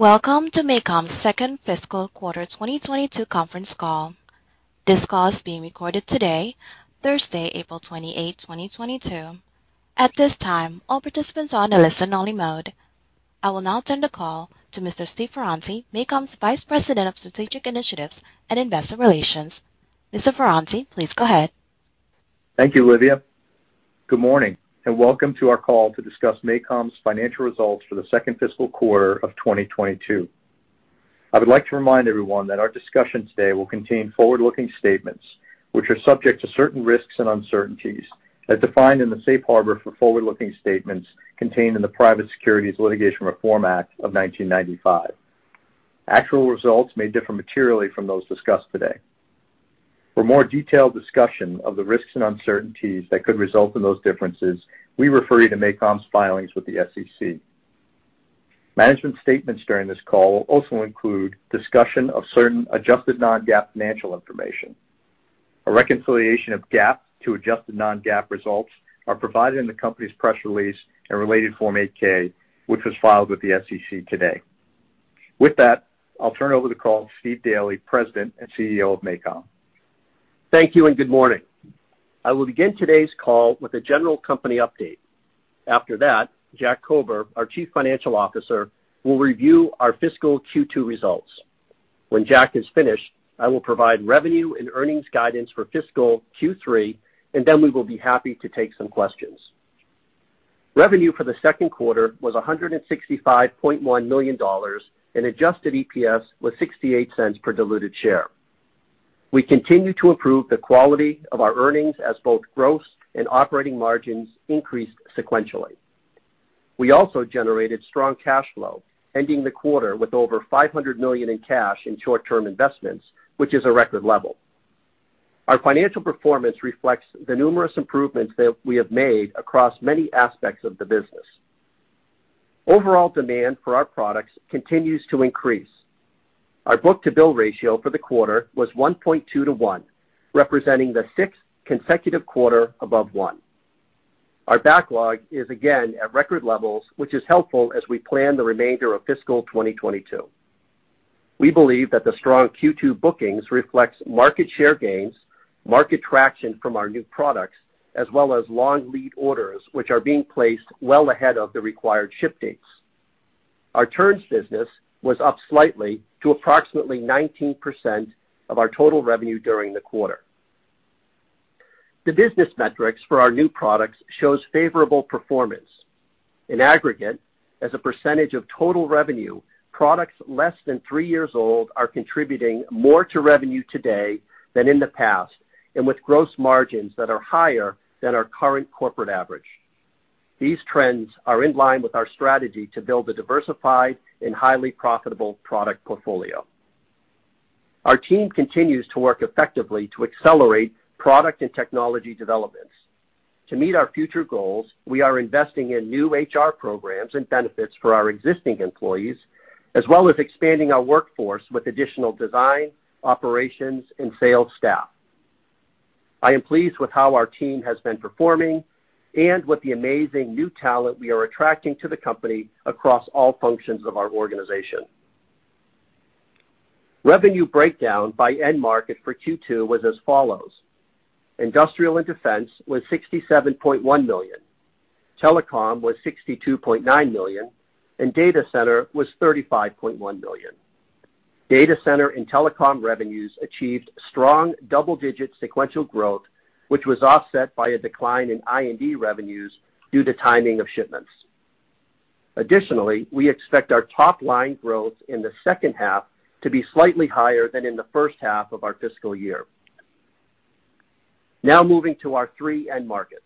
Welcome to MACOM's fiscal Q2 2022 conference call. This call is being recorded today, Thursday, April 28, 2022. At this time, all participants are in a listen-only mode. I will now turn the call to Mr. Stephen Ferranti, MACOM's Vice President of Strategic Initiatives and Investor Relations. Mr. Ferranti, please go ahead. Thank you, Olivia. Good morning, and welcome to our call to discuss MACOM's financial results for the fiscal Q2 of 2022. I would like to remind everyone that our discussion today will contain forward-looking statements, which are subject to certain risks and uncertainties as defined in the safe harbor for forward-looking statements contained in the Private Securities Litigation Reform Act of 1995. Actual results may differ materially from those discussed today. For more detailed discussion of the risks and uncertainties that could result in those differences, we refer you to MACOM's filings with the SEC. Management statements during this call will also include discussion of certain adjusted non-GAAP financial information. A reconciliation of GAAP to adjusted non-GAAP results are provided in the company's press release and related Form 8-K, which was filed with the SEC today. With that, I'll turn over the call to Stephen Daly, President and CEO of MACOM. Thank you, and good morning. I will begin today's call with a general company update. After that, John Kober, our Chief Financial Officer, will review our fiscal Q2 results. When John is finished, I will provide revenue and earnings guidance for fiscal Q3, and then we will be happy to take some questions. Revenue for the second quarter was $165.1 million, and adjusted EPS was $0.68 per diluted share. We continue to improve the quality of our earnings as both gross and operating margins increased sequentially. We also generated strong cash flow, ending the quarter with over $500 million in cash and short-term investments, which is a record level. Our financial performance reflects the numerous improvements that we have made across many aspects of the business. Overall demand for our products continues to increase. Our book-to-bill ratio for the quarter was 1.2x to 1x, representing the sixth consecutive quarter above 1x. Our backlog is again at record levels, which is helpful as we plan the remainder of fiscal 2022. We believe that the strong Q2 bookings reflects market share gains, market traction from our new products, as well as long lead orders, which are being placed well ahead of the required ship dates. Our turns business was up slightly to approximately 19% of our total revenue during the quarter. The business metrics for our new products shows favorable performance. In aggregate, as a percentage of total revenue, products less than three years old are contributing more to revenue today than in the past, and with gross margins that are higher than our current corporate average. These trends are in line with our strategy to build a diversified and highly profitable product portfolio. Our team continues to work effectively to accelerate product and technology developments. To meet our future goals, we are investing in new HR programs and benefits for our existing employees, as well as expanding our workforce with additional design, operations, and sales staff. I am pleased with how our team has been performing and with the amazing new talent we are attracting to the company across all functions of our organization. Revenue breakdown by end market for Q2 was as follows: Industrial and defense was $67.1 million. Telecom was $62.9 million, and data center was $35.1 million. Data center and telecom revenues achieved strong double-digit sequential growth, which was offset by a decline in I&D revenues due to timing of shipments. Additionally, we expect our top line growth in the H to be slightly higher than in the H1 of our fiscal year. Now moving to our three end markets.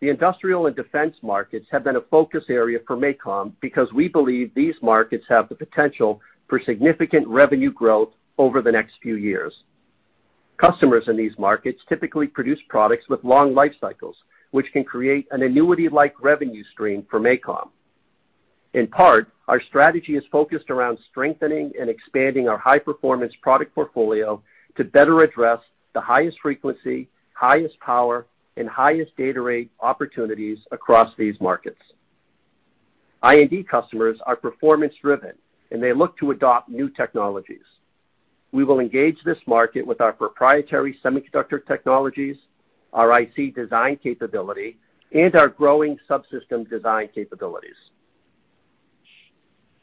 The industrial and defense markets have been a focus area for MACOM because we believe these markets have the potential for significant revenue growth over the next few years. Customers in these markets typically produce products with long life cycles, which can create an annuity-like revenue stream for MACOM. In part, our strategy is focused around strengthening and expanding our high-performance product portfolio to better address the highest frequency, highest power, and highest data rate opportunities across these markets. I&D customers are performance-driven, and they look to adopt new technologies. We will engage this market with our proprietary semiconductor technologies, our IC design capability, and our growing subsystem design capabilities.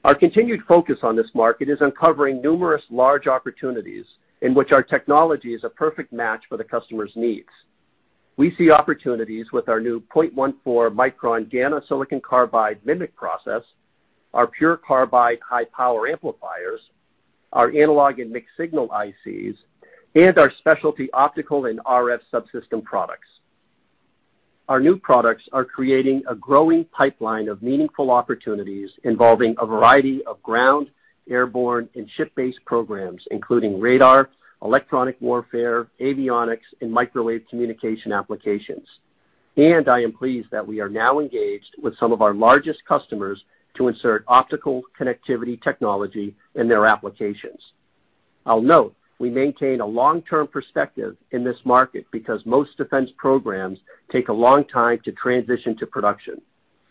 Our continued focus on this market is uncovering numerous large opportunities in which our technology is a perfect match for the customer's needs. We see opportunities with our new 0.14-micron GaN-on-SiC MMIC process, our PURE CARBIDE high-power amplifiers, our analog and mixed signal ICs, and our specialty optical and RF subsystem products. Our new products are creating a growing pipeline of meaningful opportunities involving a variety of ground, airborne, and ship-based programs, including radar, electronic warfare, avionics, and microwave communication applications. I am pleased that we are now engaged with some of our largest customers to insert optical connectivity technology in their applications. I'll note we maintain a long-term perspective in this market because most defense programs take a long time to transition to production.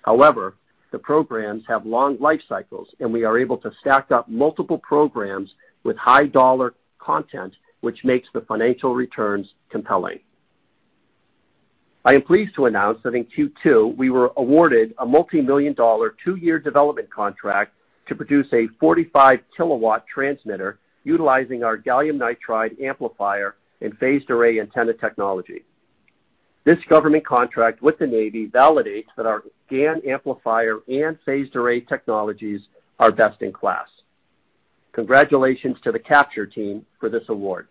However, the programs have long life cycles, and we are able to stack up multiple programs with high dollar content, which makes the financial returns compelling. I am pleased to announce that in Q2, we were awarded a multimillion-dollar two year development contract to produce a 45 kW transmitter utilizing our gallium nitride amplifier and phased array antenna technology. This government contract with the Navy validates that our GaN amplifier and phased array technologies are best in class. Congratulations to the capture team for this award.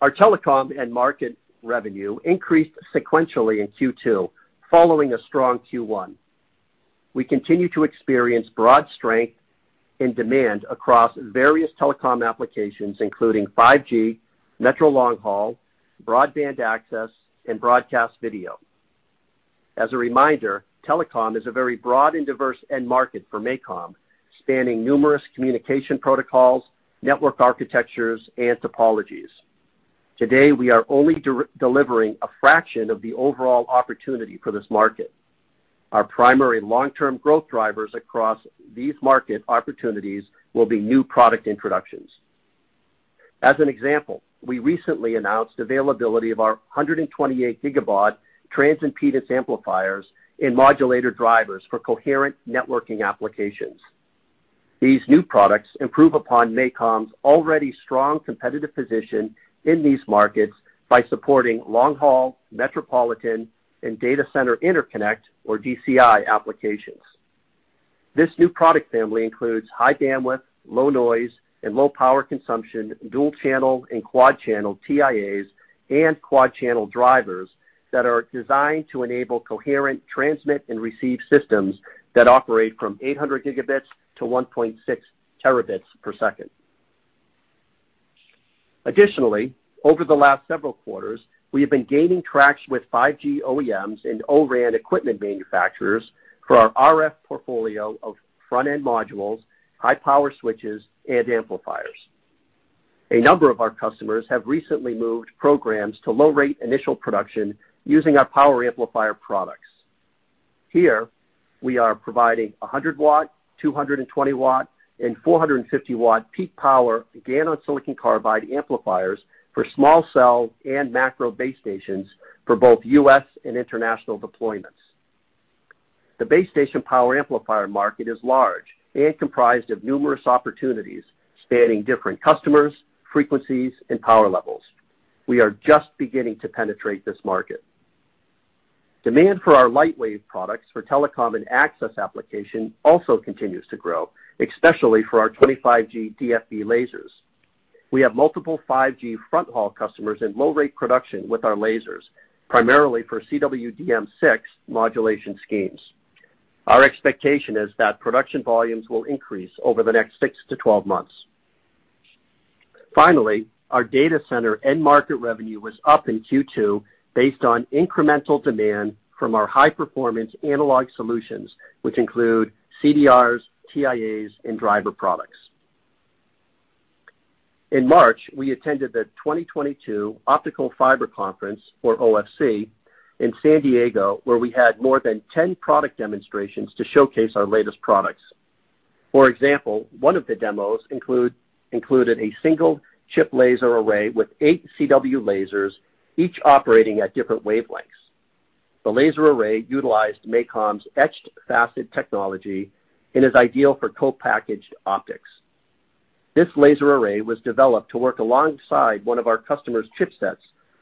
Our telecom end market revenue increased sequentially in Q2, following a strong Q1. We continue to experience broad strength in demand across various telecom applications, including 5G, metro long haul, broadband access, and broadcast video. As a reminder, telecom is a very broad and diverse end market for MACOM, spanning numerous communication protocols, network architectures, and topologies. Today, we are only delivering a fraction of the overall opportunity for this market. Our primary long-term growth drivers across these market opportunities will be new product introductions. As an example, we recently announced availability of our 128 GBaud transimpedance amplifiers in modulator drivers for coherent networking applications. These new products improve upon MACOM's already strong competitive position in these markets by supporting long-haul, metropolitan, and data center interconnect or DCI applications. This new product family includes high bandwidth, low noise, and low power consumption, dual-channel and quad-channel TIAs, and quad-channel drivers that are designed to enable coherent transmit and receive systems that operate from 800 Gb to 1.6 Tbps. Additionally, over the last several quarters, we have been gaining traction with 5G OEMs and O-RAN equipment manufacturers for our RF portfolio of front-end modules, high-power switches, and amplifiers. A number of our customers have recently moved programs to low-rate initial production using our power amplifier products. Here, we are providing 100 W, 220 W, and 450 W peak power GaN on silicon carbide amplifiers for small cell and macro base stations for both U.S. and international deployments. The base station power amplifier market is large and comprised of numerous opportunities spanning different customers, frequencies, and power levels. We are just beginning to penetrate this market. Demand for our LightWave products for telecom and access application also continues to grow, especially for our 25G DFB lasers. We have multiple 5G fronthaul customers in low-rate production with our lasers, primarily for CWDM6 modulation schemes. Our expectation is that production volumes will increase over the next six-12 months. Finally, our data center end market revenue was up in Q2 based on incremental demand from our high-performance analog solutions, which include CDRs, TIAs, and driver products. In March, we attended the 2022 Optical Fiber Conference, or OFC, in San Diego, where we had more than 10 product demonstrations to showcase our latest products. For example, one of the demos included a single chip laser array with 8 CW lasers, each operating at different wavelengths. The laser array utilized MACOM's Etched Facet Technology and is ideal for co-packaged optics. This laser array was developed to work alongside one of our customers' chipsets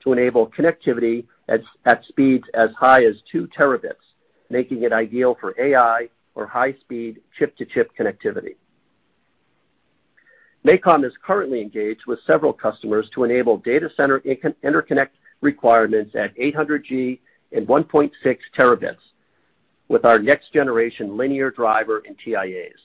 to enable connectivity at speeds as high as 2 Tb, making it ideal for AI or high-speed chip-to-chip connectivity. MACOM is currently engaged with several customers to enable data center interconnect requirements at 800 Gb and 1.6 Tbb with our next-generation linear driver and TIAs.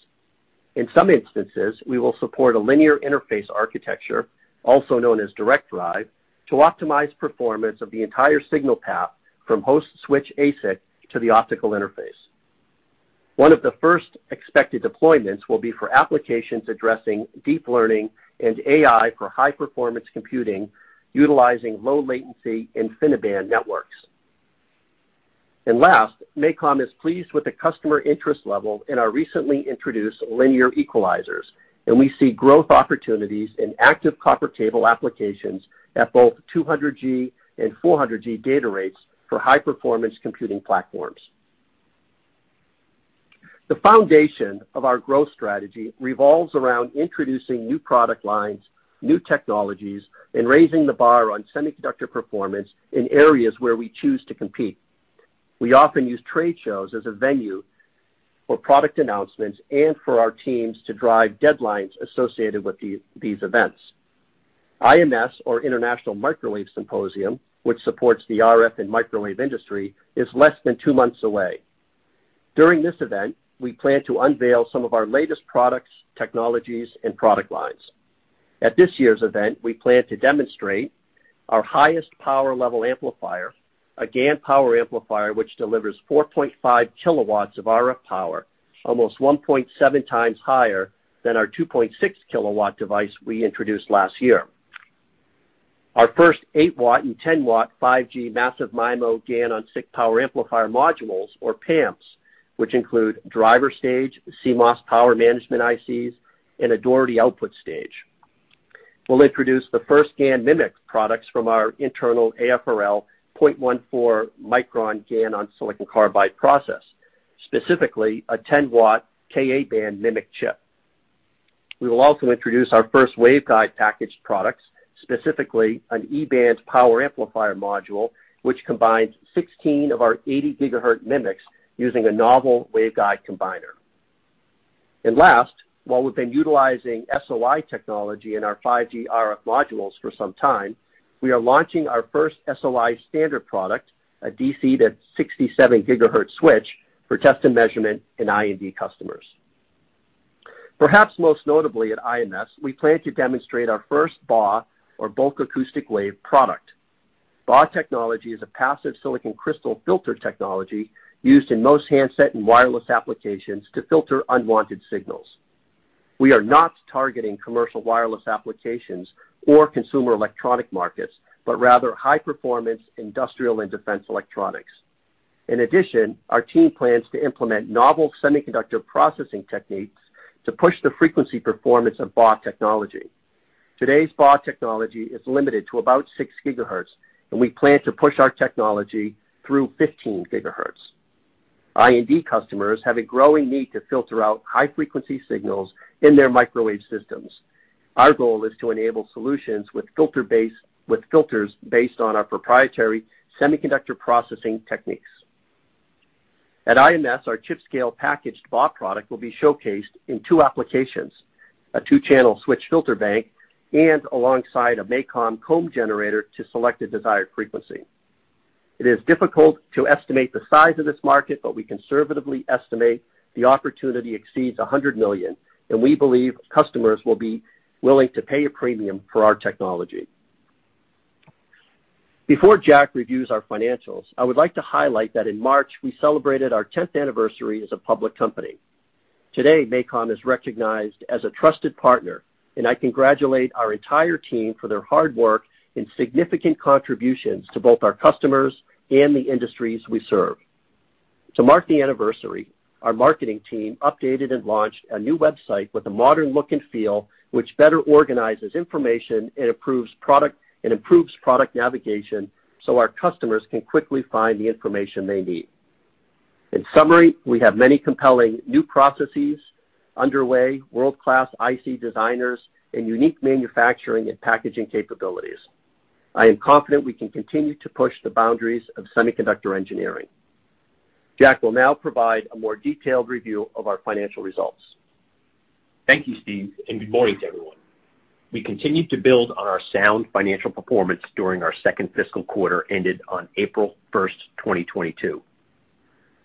In some instances, we will support a linear interface architecture, also known as Direct Drive, to optimize performance of the entire signal path from host switch ASIC to the optical interface. One of the first expected deployments will be for applications addressing deep learning and AI for high-performance computing utilizing low latency InfiniBand networks. Last, MACOM is pleased with the customer interest level in our recently introduced linear equalizers, and we see growth opportunities in active copper cable applications at both 200 Gb and 400 Gb data rates for high-performance computing platforms. The foundation of our growth strategy revolves around introducing new product lines, new technologies, and raising the bar on semiconductor performance in areas where we choose to compete. We often use trade shows as a venue for product announcements and for our teams to drive deadlines associated with these events. IMS, or International Microwave Symposium, which supports the RF and microwave industry, is less than two months away. During this event, we plan to unveil some of our latest products, technologies, and product lines. At this year's event, we plan to demonstrate our highest power level amplifier, a GaN power amplifier which delivers 4.5 kW of RF power, almost 1.7x higher than our 2.6 kW device we introduced last year. Our first 8 W and 10 W 5G massive MIMO GaN-on-SiC power amplifier modules, or PAMRs, which include driver stage, CMOS power management ICs, and a Doherty output stage. We'll introduce the first GaN MMIC products from our internal AFRL 0.14-micron GaN-on-SiC process, specifically a 10 W Ka-band MMIC chip. We will also introduce our first waveguide packaged products, specifically an E-band power amplifier module, which combines 16 of our 80-GHz MMICs using a novel waveguide combiner. Last, while we've been utilizing SOI technology in our 5G RF modules for some time, we are launching our first SOI standard product, a DC to 67 GHz switch, for test and measurement in I&D customers. Perhaps most notably at IMS, we plan to demonstrate our first BAW, or bulk acoustic wave, product. BAW technology is a passive silicon crystal filter technology used in most handset and wireless applications to filter unwanted signals. We are not targeting commercial wireless applications or consumer electronic markets, but rather high-performance industrial and defense electronics. In addition, our team plans to implement novel semiconductor processing techniques to push the frequency performance of BAW technology. Today's BAW technology is limited to about 6 GHz, and we plan to push our technology through 15 GHz. I&D customers have a growing need to filter out high-frequency signals in their microwave systems. Our goal is to enable solutions with filters based on our proprietary semiconductor processing techniques. At IMS, our chip-scale packaged BAW product will be showcased in two applications, a 2-channel switch filter bank and alongside a MACOM comb generator to select a desired frequency. It is difficult to estimate the size of this market, but we conservatively estimate the opportunity exceeds $100 million, and we believe customers will be willing to pay a premium for our technology. Before John reviews our financials, I would like to highlight that in March, we celebrated our tenth anniversary as a public company. Today, MACOM is recognized as a trusted partner, and I congratulate our entire team for their hard work and significant contributions to both our customers and the industries we serve. To mark the anniversary, our marketing team updated and launched a new website with a modern look and feel, which better organizes information and improves product navigation so our customers can quickly find the information they need. In summary, we have many compelling new processes underway, world-class IC designers, and unique manufacturing and packaging capabilities. I am confident we can continue to push the boundaries of semiconductor engineering. John Kober will now provide a more detailed review of our financial results. Thank you, Steve, and good morning to everyone. We continued to build on our sound financial performance during our fiscal Q2, ended on April 1, 2022.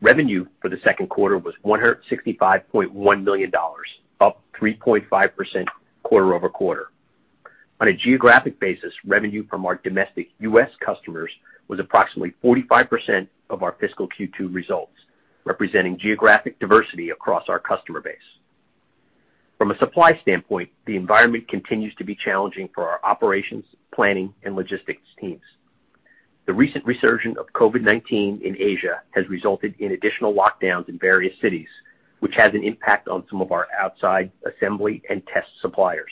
Revenue for the second quarter was $165.1 million, up 3.5% quarter-over-quarter. On a geographic basis, revenue from our domestic U.S. customers was approximately 45% of our fiscal Q2 results, representing geographic diversity across our customer base. From a supply standpoint, the environment continues to be challenging for our operations, planning, and logistics teams. The recent resurgence of COVID-19 in Asia has resulted in additional lockdowns in various cities, which has an impact on some of our outside assembly and test suppliers.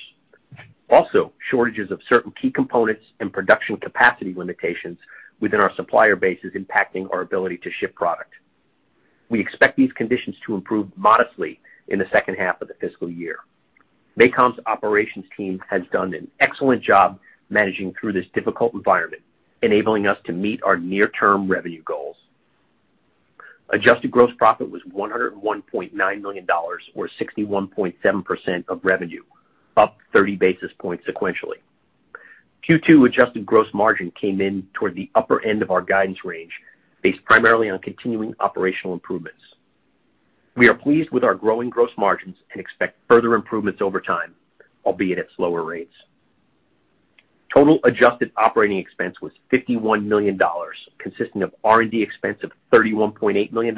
Also, shortages of certain key components and production capacity limitations within our supplier base is impacting our ability to ship product. We expect these conditions to improve modestly in the H2 of the fiscal year. MACOM's operations team has done an excellent job managing through this difficult environment, enabling us to meet our near-term revenue goals. Adjusted gross profit was $101.9 million, or 61.7% of revenue, up 30 basis points sequentially. Q2 adjusted gross margin came in toward the upper end of our guidance range, based primarily on continuing operational improvements. We are pleased with our growing gross margins and expect further improvements over time, albeit at slower rates. Total adjusted operating expense was $51 million, consisting of R&D expense of $31.8 million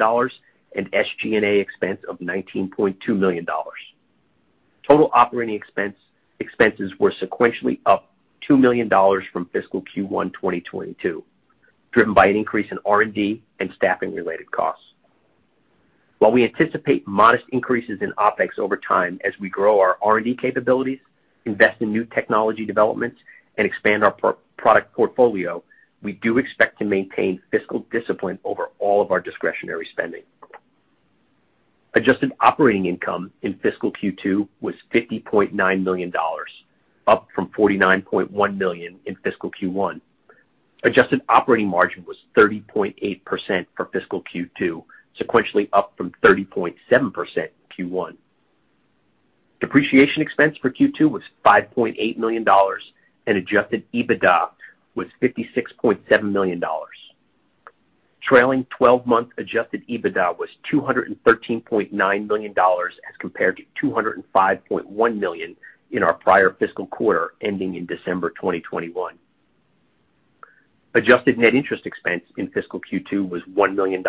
and SG&A expense of $19.2 million. Total operating expenses were sequentially up $2 million from fiscal Q1 2022, driven by an increase in R&D and staffing-related costs. While we anticipate modest increases in OpEx over time as we grow our R&D capabilities, invest in new technology developments, and expand our product portfolio, we do expect to maintain fiscal discipline over all of our discretionary spending. Adjusted operating income in fiscal Q2 was $50.9 million, up from $49.1 million in fiscal Q1. Adjusted operating margin was 30.8% for fiscal Q2, sequentially up from 30.7% in Q1. Depreciation expense for Q2 was $5.8 million, and adjusted EBITDA was $56.7 million. Trailing 12-month adjusted EBITDA was $213.9 million as compared to $205.1 million in our prior fiscal quarter ending in December 2021. Adjusted net interest expense in fiscal Q2 was $1 million,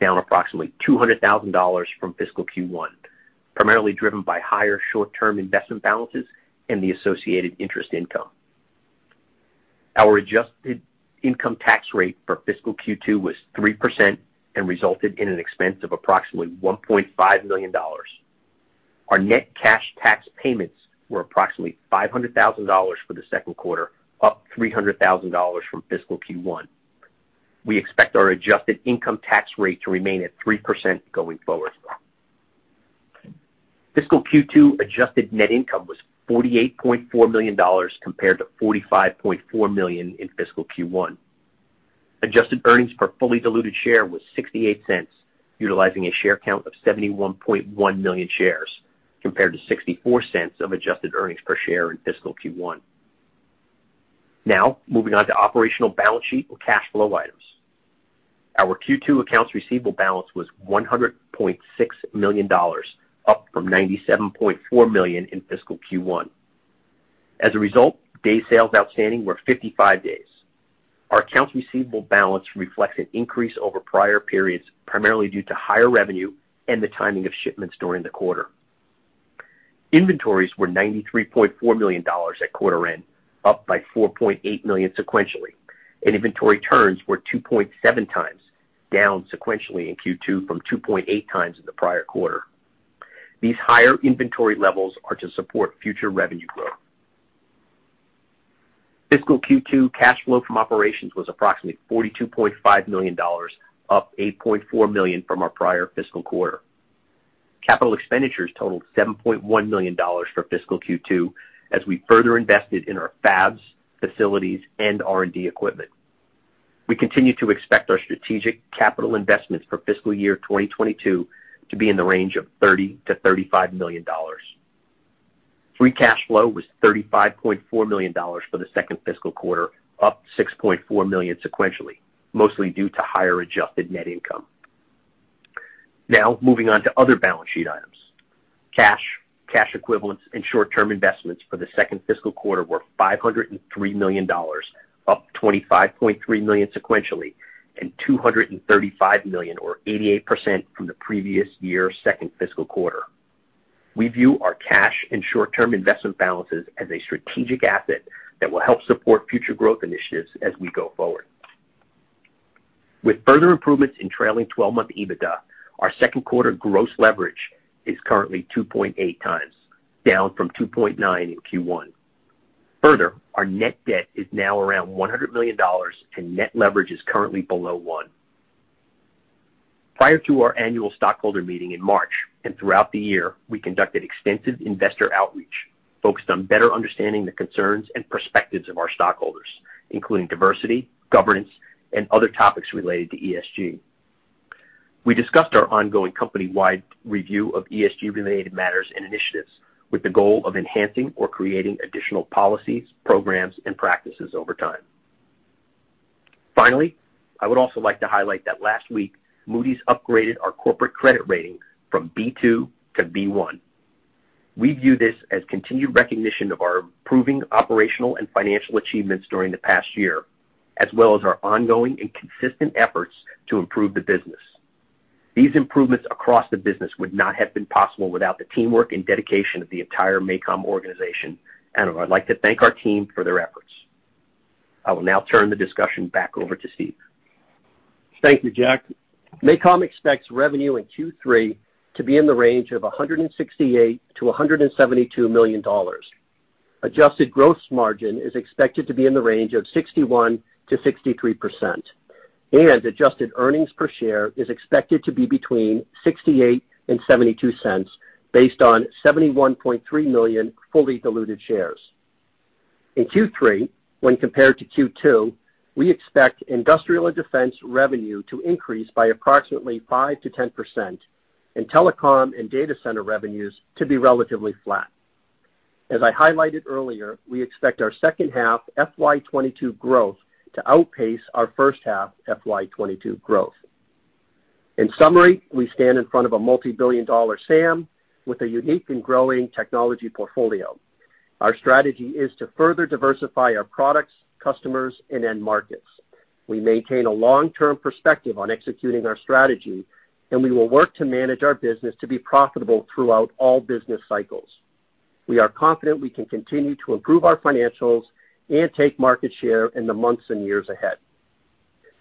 down approximately $200,000 from fiscal Q1, primarily driven by higher short-term investment balances and the associated interest income. Our adjusted income tax rate for fiscal Q2 was 3% and resulted in an expense of approximately $1.5 million. Our net cash tax payments were approximately $500,000 for the second quarter, up $300,000 from fiscal Q1. We expect our adjusted income tax rate to remain at 3% going forward. Fiscal Q2 adjusted net income was $48.4 million compared to $45.4 million in fiscal Q1. Adjusted earnings per fully diluted share was $0.68, utilizing a share count of 71.1 million shares, compared to $0.64 of adjusted earnings per share in fiscal Q1. Now, moving on to operational balance sheet or cash flow items. Our Q2 accounts receivable balance was $100.6 million, up from $97.4 million in fiscal Q1. As a result, days sales outstanding were 55 days. Our accounts receivable balance reflects an increase over prior periods, primarily due to higher revenue and the timing of shipments during the quarter. Inventories were $93.4 million at quarter end, up by $4.8 million sequentially, and inventory turns were 2.7x, down sequentially in Q2 from 2.8x in the prior quarter. These higher inventory levels are to support future revenue growth. Fiscal Q2 cash flow from operations was approximately $42.5 million, up $8.4 million from our prior fiscal quarter. Capital expenditures totaled $7.1 million for fiscal Q2 as we further invested in our fabs, facilities, and R&D equipment. We continue to expect our strategic capital investments for fiscal year 2022 to be in the range of $30 million-$35 million. Free cash flow was $35.4 million for the second fiscal quarter, up $6.4 million sequentially, mostly due to higher adjusted net income. Now, moving on to other balance sheet items. Cash, cash equivalents, and short-term investments for the second fiscal quarter were $503 million, up $25.3 million sequentially, and $235 million or 88% from the previous year's second fiscal quarter. We view our cash and short-term investment balances as a strategic asset that will help support future growth initiatives as we go forward. With further improvements in trailing 12-month EBITDA, our second quarter gross leverage is currently 2.8x, down from 2.9x in Q1. Further, our net debt is now around $100 million, and net leverage is currently below 1x. Prior to our annual stockholder meeting in March, and throughout the year, we conducted extensive investor outreach focused on better understanding the concerns and perspectives of our stockholders, including diversity, governance, and other topics related to ESG. We discussed our ongoing company-wide review of ESG-related matters and initiatives with the goal of enhancing or creating additional policies, programs, and practices over time. Finally, I would also like to highlight that last week, Moody's upgraded our corporate credit rating from B2 to B1. We view this as continued recognition of our improving operational and financial achievements during the past year, as well as our ongoing and consistent efforts to improve the business. These improvements across the business would not have been possible without the teamwork and dedication of the entire MACOM organization, and I'd like to thank our team for their efforts. I will now turn the discussion back over to Steve. Thank you, Jack. MACOM expects revenue in Q3 to be in the range of $168 million-$172 million. Adjusted gross margin is expected to be in the range of 61%-63%, and adjusted earnings per share is expected to be between $0.68 and $0.72 based on 71.3 million fully diluted shares. In Q3, when compared to Q2, we expect industrial and defense revenue to increase by approximately 5%-10% and telecom and data center revenues to be relatively flat. As I highlighted earlier, we expect our H2 FY 2022 growth to outpace our H1 FY 2022 growth. In summary, we stand in front of a multi-billion dollar SAM with a unique and growing technology portfolio. Our strategy is to further diversify our products, customers, and end markets. We maintain a long-term perspective on executing our strategy, and we will work to manage our business to be profitable throughout all business cycles. We are confident we can continue to improve our financials and take market share in the months and years ahead.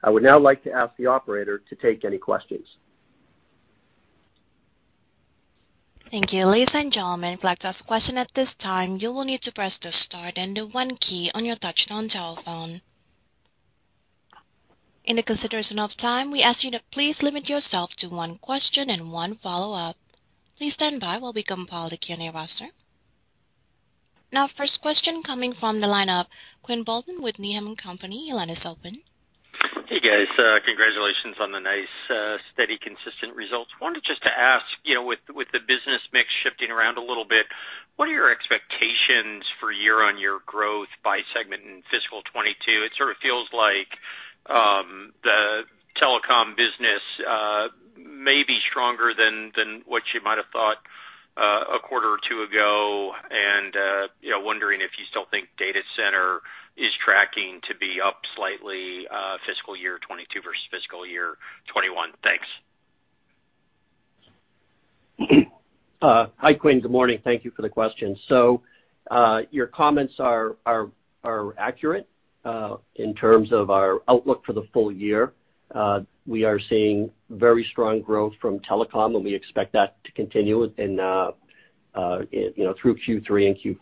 I would now like to ask the operator to take any questions. Thank you. Ladies and gentlemen, if you would like to ask a question at this time, you will need to press the star then the one key on your touchtone telephone. In the consideration of time, we ask you to please limit yourself to one question and one follow-up. Please stand by while we compile the Q&A roster. Now, first question coming from the line of Quinn Bolton with Needham & Company. Your line is open. Hey, guys, congratulations on the nice, steady, consistent results. Wanted just to ask, you know, with the business mix shifting around a little bit. What are your expectations for year-on-year growth by segment in fiscal 2022? It sort of feels like the telecom business may be stronger than what you might have thought a quarter or two ago. You know, wondering if you still think data center is tracking to be up slightly, fiscal year 2022 versus fiscal year 2021. Thanks. Hi, Quinn. Good morning. Thank you for the question. Your comments are accurate in terms of our outlook for the full year. We are seeing very strong growth from telecom, and we expect that to continue in, you know, through Q3 and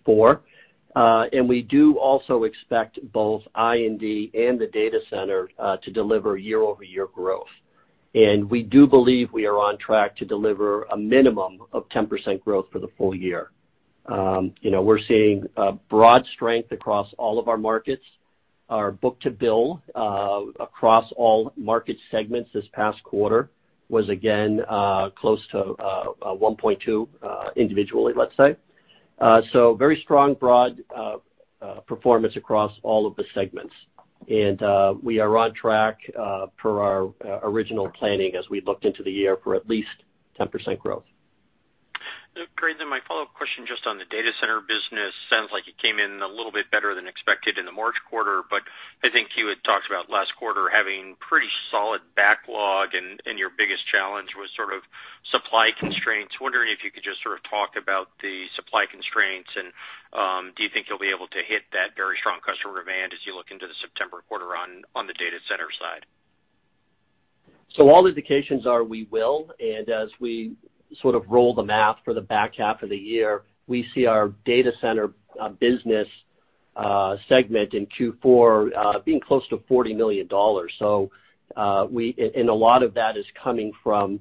Q4. We do also expect both I&D and the data center to deliver year-over-year growth. We do believe we are on track to deliver a minimum of 10% growth for the full year. You know, we're seeing broad strength across all of our markets. Our book-to-bill across all market segments this past quarter was again close to 1.2x, individually, let's say. Very strong broad performance across all of the segments. We are on track per our original planning as we looked into the year for at least 10% growth. Great. My follow-up question just on the data center business. Sounds like it came in a little bit better than expected in the March quarter, but I think you had talked about last quarter having pretty solid backlog and your biggest challenge was sort of supply constraints. Wondering if you could just sort of talk about the supply constraints and do you think you'll be able to hit that very strong customer demand as you look into the September quarter on the data center side? All indications are we will. As we sort of roll the math for the back half of the year, we see our data center business segment in Q4 being close to $40 million. A lot of that is coming from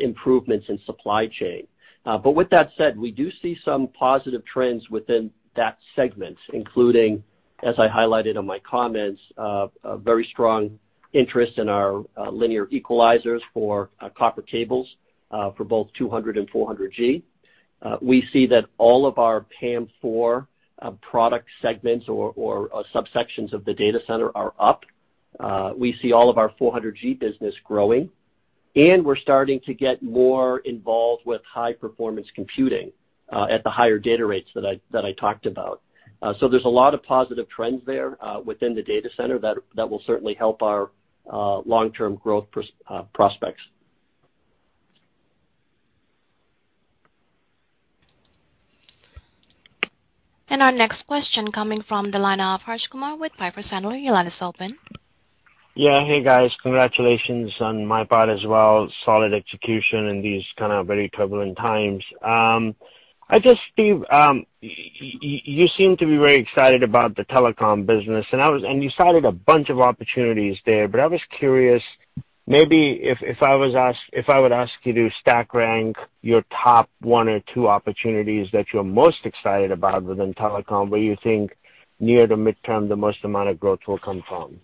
improvements in supply chain. But with that said, we do see some positive trends within that segment, including, as I highlighted on my comments, a very strong interest in our linear equalizers for copper cables for both 200 Gb and 400 Gb. We see that all of our PAM4 product segments or subsections of the data center are up. We see all of our 400 Gb business growing, and we're starting to get more involved with high performance computing at the higher data rates that I talked about. There's a lot of positive trends there within the data center that will certainly help our long-term growth prospects. Our next question coming from the line of Harsh Kumar with Piper Sandler. Your line is open. Yeah. Hey, guys. Congratulations on my part as well. Solid execution in these kind of very turbulent times. I just, Steve, you seem to be very excited about the telecom business, and you cited a bunch of opportunities there, but I was curious, if I would ask you to stack rank your top one or two opportunities that you're most excited about within telecom, where you think near the midterm, the most amount of growth will come from.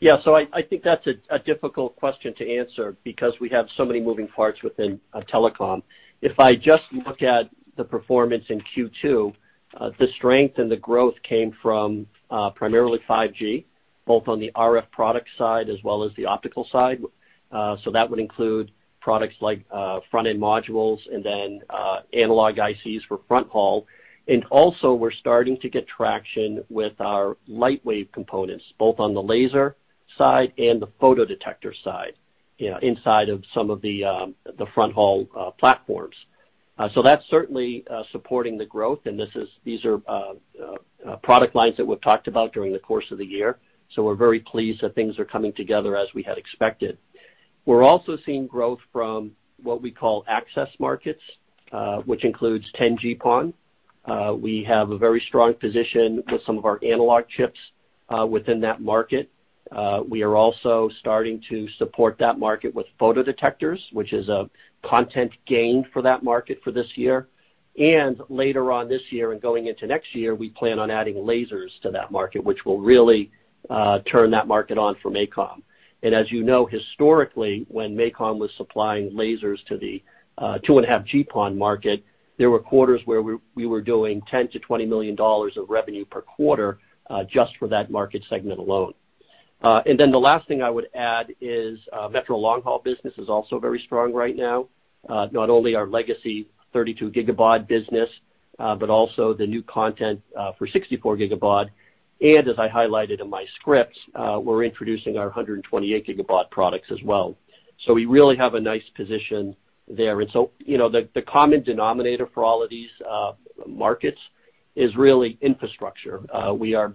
Yeah. I think that's a difficult question to answer because we have so many moving parts within telecom. If I just look at the performance in Q2, the strength and the growth came from primarily 5G, both on the RF product side as well as the optical side. That would include products like front-end modules and then analog ICs for fronthaul. Also, we're starting to get traction with our LightWave components, both on the laser side and the photodetector side, you know, inside of some of the fronthaul platforms. That's certainly supporting the growth. These are product lines that we've talked about during the course of the year. We're very pleased that things are coming together as we had expected. We're also seeing growth from what we call access markets, which includes 10 GPON. We have a very strong position with some of our analog chips within that market. We are also starting to support that market with photodetectors, which is a content gain for that market for this year. Later on this year and going into next year, we plan on adding lasers to that market, which will really turn that market on for MACOM. As you know, historically, when MACOM was supplying lasers to the 2.5 GPON market, there were quarters where we were doing $10 million-$20 million of revenue per quarter just for that market segment alone. The last thing I would add is metro long haul business is also very strong right now. Not only our legacy 32 GBaud business, but also the new content for 64 GBaud. As I highlighted in my scripts, we're introducing our 128 GBaud products as well. We really have a nice position there. You know, the common denominator for all of these markets is really infrastructure. We are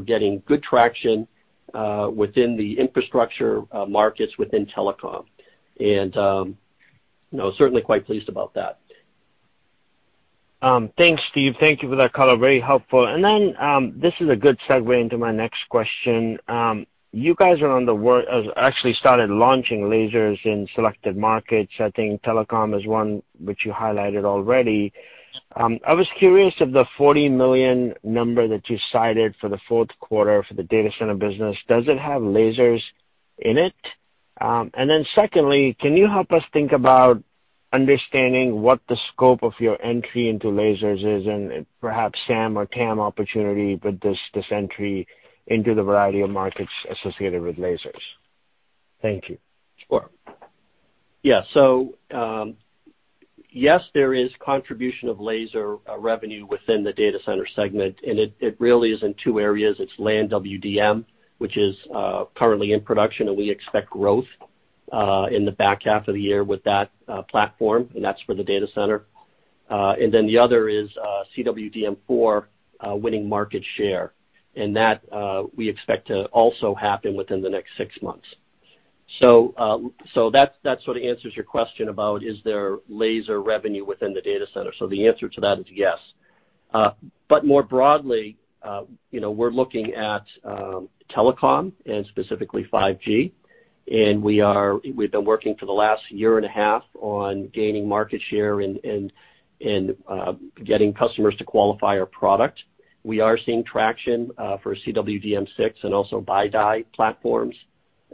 getting good traction within the infrastructure markets within telecom. You know, certainly quite pleased about that. Thanks, Steve. Thank you for that color. Very helpful. This is a good segue into my next question. You guys actually started launching lasers in selected markets. I think telecom is one which you highlighted already. I was curious, of the $40 million number that you cited for the Q4 for the data center business, does it have lasers in it? Secondly, can you help us think about understanding what the scope of your entry into lasers is and perhaps SAM or TAM opportunity with this entry into the variety of markets associated with lasers? Thank you. Sure. Yeah. Yes, there is contribution of laser revenue within the data center segment, and it really is in two areas. It's LAN WDM, which is currently in production, and we expect growth in the back half of the year with that platform, and that's for the data center. Then the other is CWDM4 winning market share, and that we expect to also happen within the next six months. That sort of answers your question about is there laser revenue within the data center. The answer to that is yes. More broadly, you know, we're looking at telecom and specifically 5G. We've been working for the last year and a half on gaining market share and getting customers to qualify our product. We are seeing traction for CWDM six and also BiDi platforms,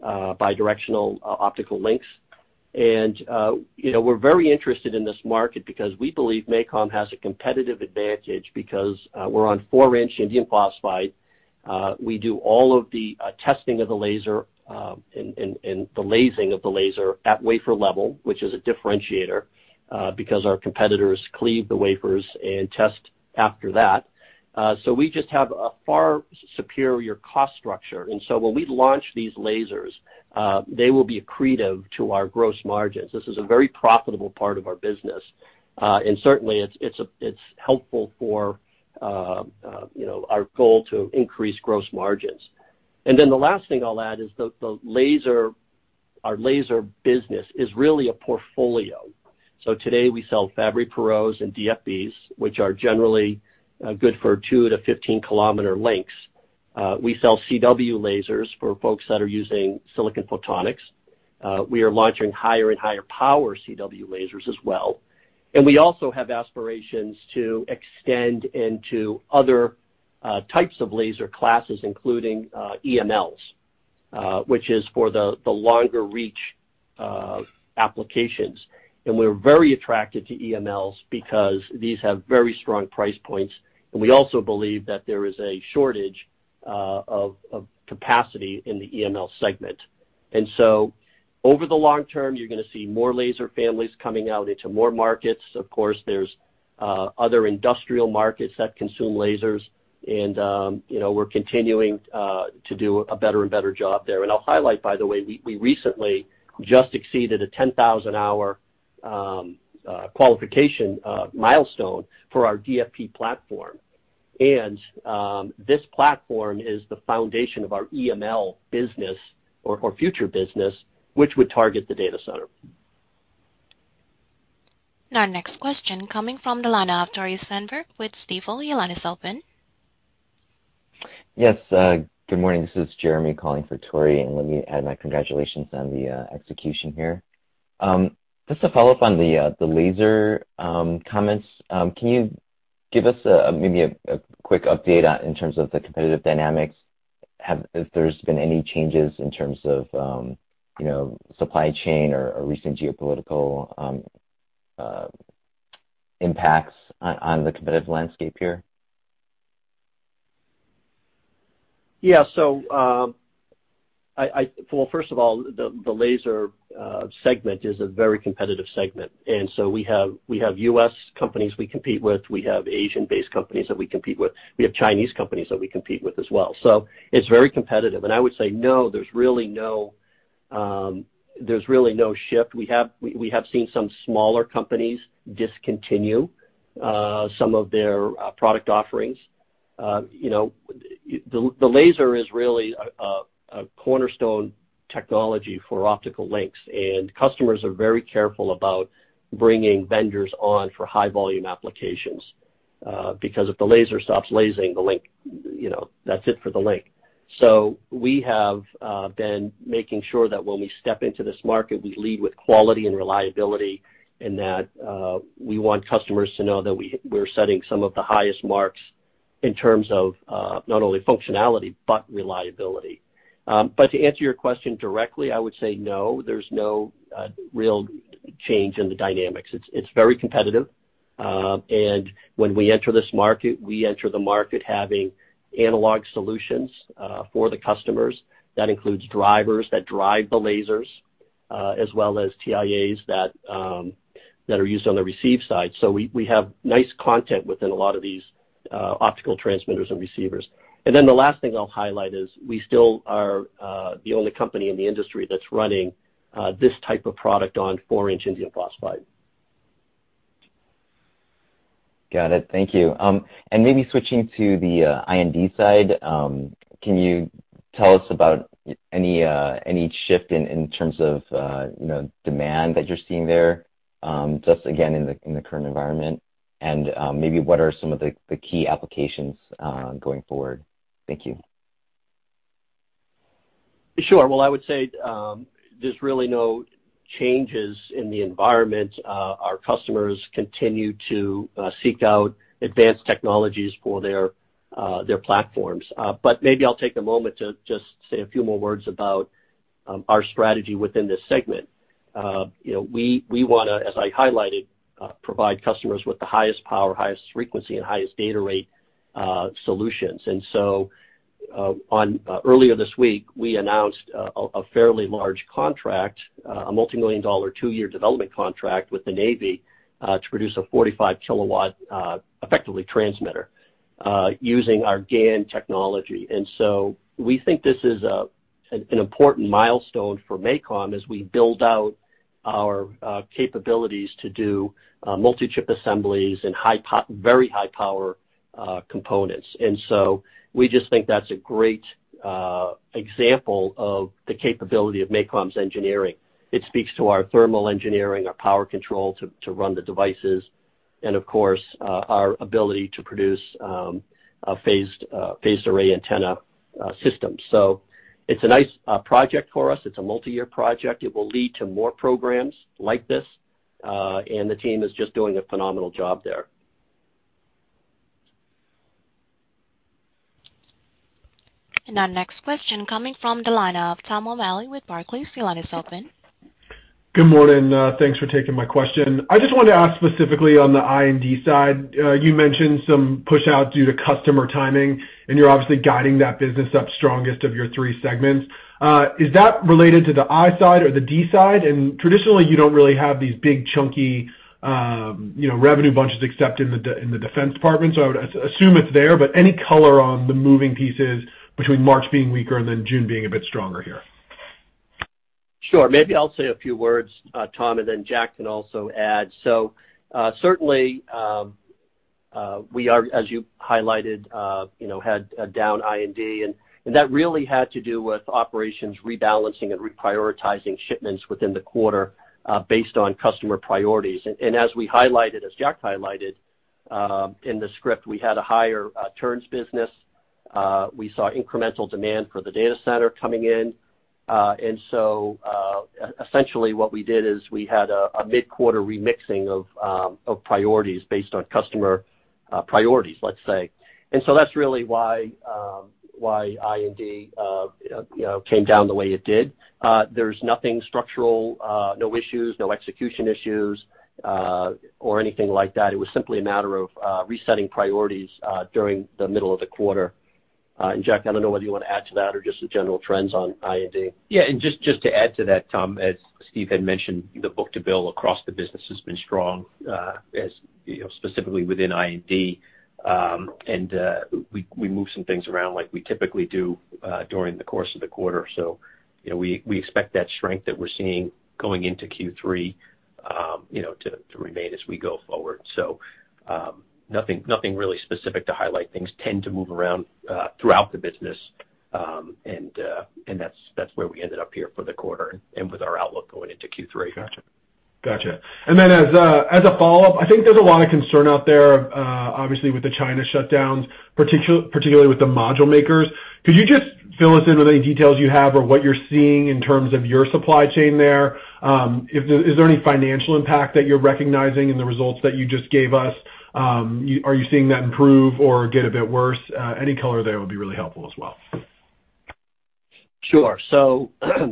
bidirectional optical links. You know, we're very interested in this market because we believe MACOM has a competitive advantage because we're on 4 in indium phosphide. We do all of the testing of the laser and the lasing of the laser at wafer level, which is a differentiator because our competitors cleave the wafers and test after that. We just have a far superior cost structure. When we launch these lasers, they will be accretive to our gross margins. This is a very profitable part of our business. Certainly, it's helpful for, you know, our goal to increase gross margins. The last thing I'll add is the laser, our laser business is really a portfolio. Today we sell Fabry-Perots and DFBs, which are generally good for 2-15 km lengths. We sell CW lasers for folks that are using silicon photonics. We are launching higher and higher power CW lasers as well. We also have aspirations to extend into other types of laser classes, including EMLs, which is for the longer reach applications. We're very attracted to EMLs because these have very strong price points. We also believe that there is a shortage of capacity in the EML segment. Over the long term, you're gonna see more laser families coming out into more markets. Of course, there's other industrial markets that consume lasers and, you know, we're continuing to do a better and better job there. I'll highlight, by the way, we recently just exceeded a 10,000-hour qualification milestone for our DFP platform. This platform is the foundation of our EML business or future business, which would target the data center. Our next question coming from the line of Tore Svanberg with Stifel. Your line is open. Yes. Good morning. This is Jeremy calling for Tore Svanberg, and let me add my congratulations on the execution here. Just to follow up on the laser comments, can you give us maybe a quick update on, in terms of the competitive dynamics, if there's been any changes in terms of, you know, supply chain or recent geopolitical impacts on the competitive landscape here? Yeah. Well, first of all, the laser segment is a very competitive segment, and we have U.S. companies we compete with. We have Asian-based companies that we compete with. We have Chinese companies that we compete with as well. It's very competitive. I would say no, there's really no shift. We have seen some smaller companies discontinue some of their product offerings. You know, the laser is really a cornerstone technology for optical links, and customers are very careful about bringing vendors on for high-volume applications, because if the laser stops lasing the link, you know, that's it for the link. We have been making sure that when we step into this market, we lead with quality and reliability and that we want customers to know that we're setting some of the highest marks in terms of not only functionality but reliability. But to answer your question directly, I would say no, there's no real change in the dynamics. It's very competitive. And when we enter this market, we enter the market having analog solutions for the customers. That includes drivers that drive the lasers as well as TIAs that are used on the receive side. We have nice content within a lot of these optical transmitters and receivers. The last thing I'll highlight is we still are the only company in the industry that's running this type of product on 4 in indium phosphide. Got it. Thank you. Maybe switching to the I&D side, can you tell us about any shift in terms of, you know, demand that you're seeing there, just again, in the current environment? Maybe what are some of the key applications going forward? Thank you. Sure. Well, I would say, there's really no changes in the environment. Our customers continue to seek out advanced technologies for their platforms. Maybe I'll take a moment to just say a few more words about our strategy within this segment. You know, we wanna, as I highlighted, provide customers with the highest power, highest frequency, and highest data rate solutions. Earlier this week, we announced a fairly large contract, a multimillion-dollar two year development contract with the Navy, to produce a 45 kW effective transmitter using our GaN technology. We think this is an important milestone for MACOM as we build out our capabilities to do multi-chip assemblies and very high power components. We just think that's a great example of the capability of MACOM's engineering. It speaks to our thermal engineering, our power control to run the devices and of course, our ability to produce a phased array antenna system. It's a nice project for us. It's a multi-year project. It will lead to more programs like this, and the team is just doing a phenomenal job there. Our next question coming from the line of Tom O'Malley with Barclays. Your line is open. Good morning. Thanks for taking my question. I just wanted to ask specifically on the I&D side. You mentioned some push out due to customer timing, and you're obviously guiding that business up strongest of your three segments. Is that related to the I side or the D side? And traditionally, you don't really have these big chunky, you know, revenue bunches except in the defense department. I would assume it's there, but any color on the moving pieces between March being weaker and then June being a bit stronger here? Sure. Maybe I'll say a few words, Tom, and then Jack can also add. Certainly, we are, as you highlighted, you know, had a down I&D, and that really had to do with operations rebalancing and reprioritizing shipments within the quarter, based on customer priorities. As we highlighted, as Jack highlighted, in the script, we had a higher turns business. We saw incremental demand for the data center coming in. Essentially what we did is we had a mid-quarter remixing of priorities based on customer priorities, let's say. That's really why I&D, you know, came down the way it did. There's nothing structural, no issues, no execution issues, or anything like that. It was simply a matter of resetting priorities during the middle of the quarter. John Kober, I don't know whether you wanna add to that or just the general trends on R&D. Yeah. Just to add to that, Tom, as Steve had mentioned, the book to bill across the business has been strong, as you know, specifically within I&D. We moved some things around like we typically do during the course of the quarter. You know, we expect that strength that we're seeing going into Q3 to remain as we go forward. Nothing really specific to highlight. Things tend to move around throughout the business. That's where we ended up here for the quarter and with our outlook going into Q3. Gotcha. Then as a follow-up, I think there's a lot of concern out there, obviously with the China shutdowns, particularly with the module makers. Could you just fill us in with any details you have or what you're seeing in terms of your supply chain there? Is there any financial impact that you're recognizing in the results that you just gave us? Are you seeing that improve or get a bit worse? Any color there would be really helpful as well. Sure.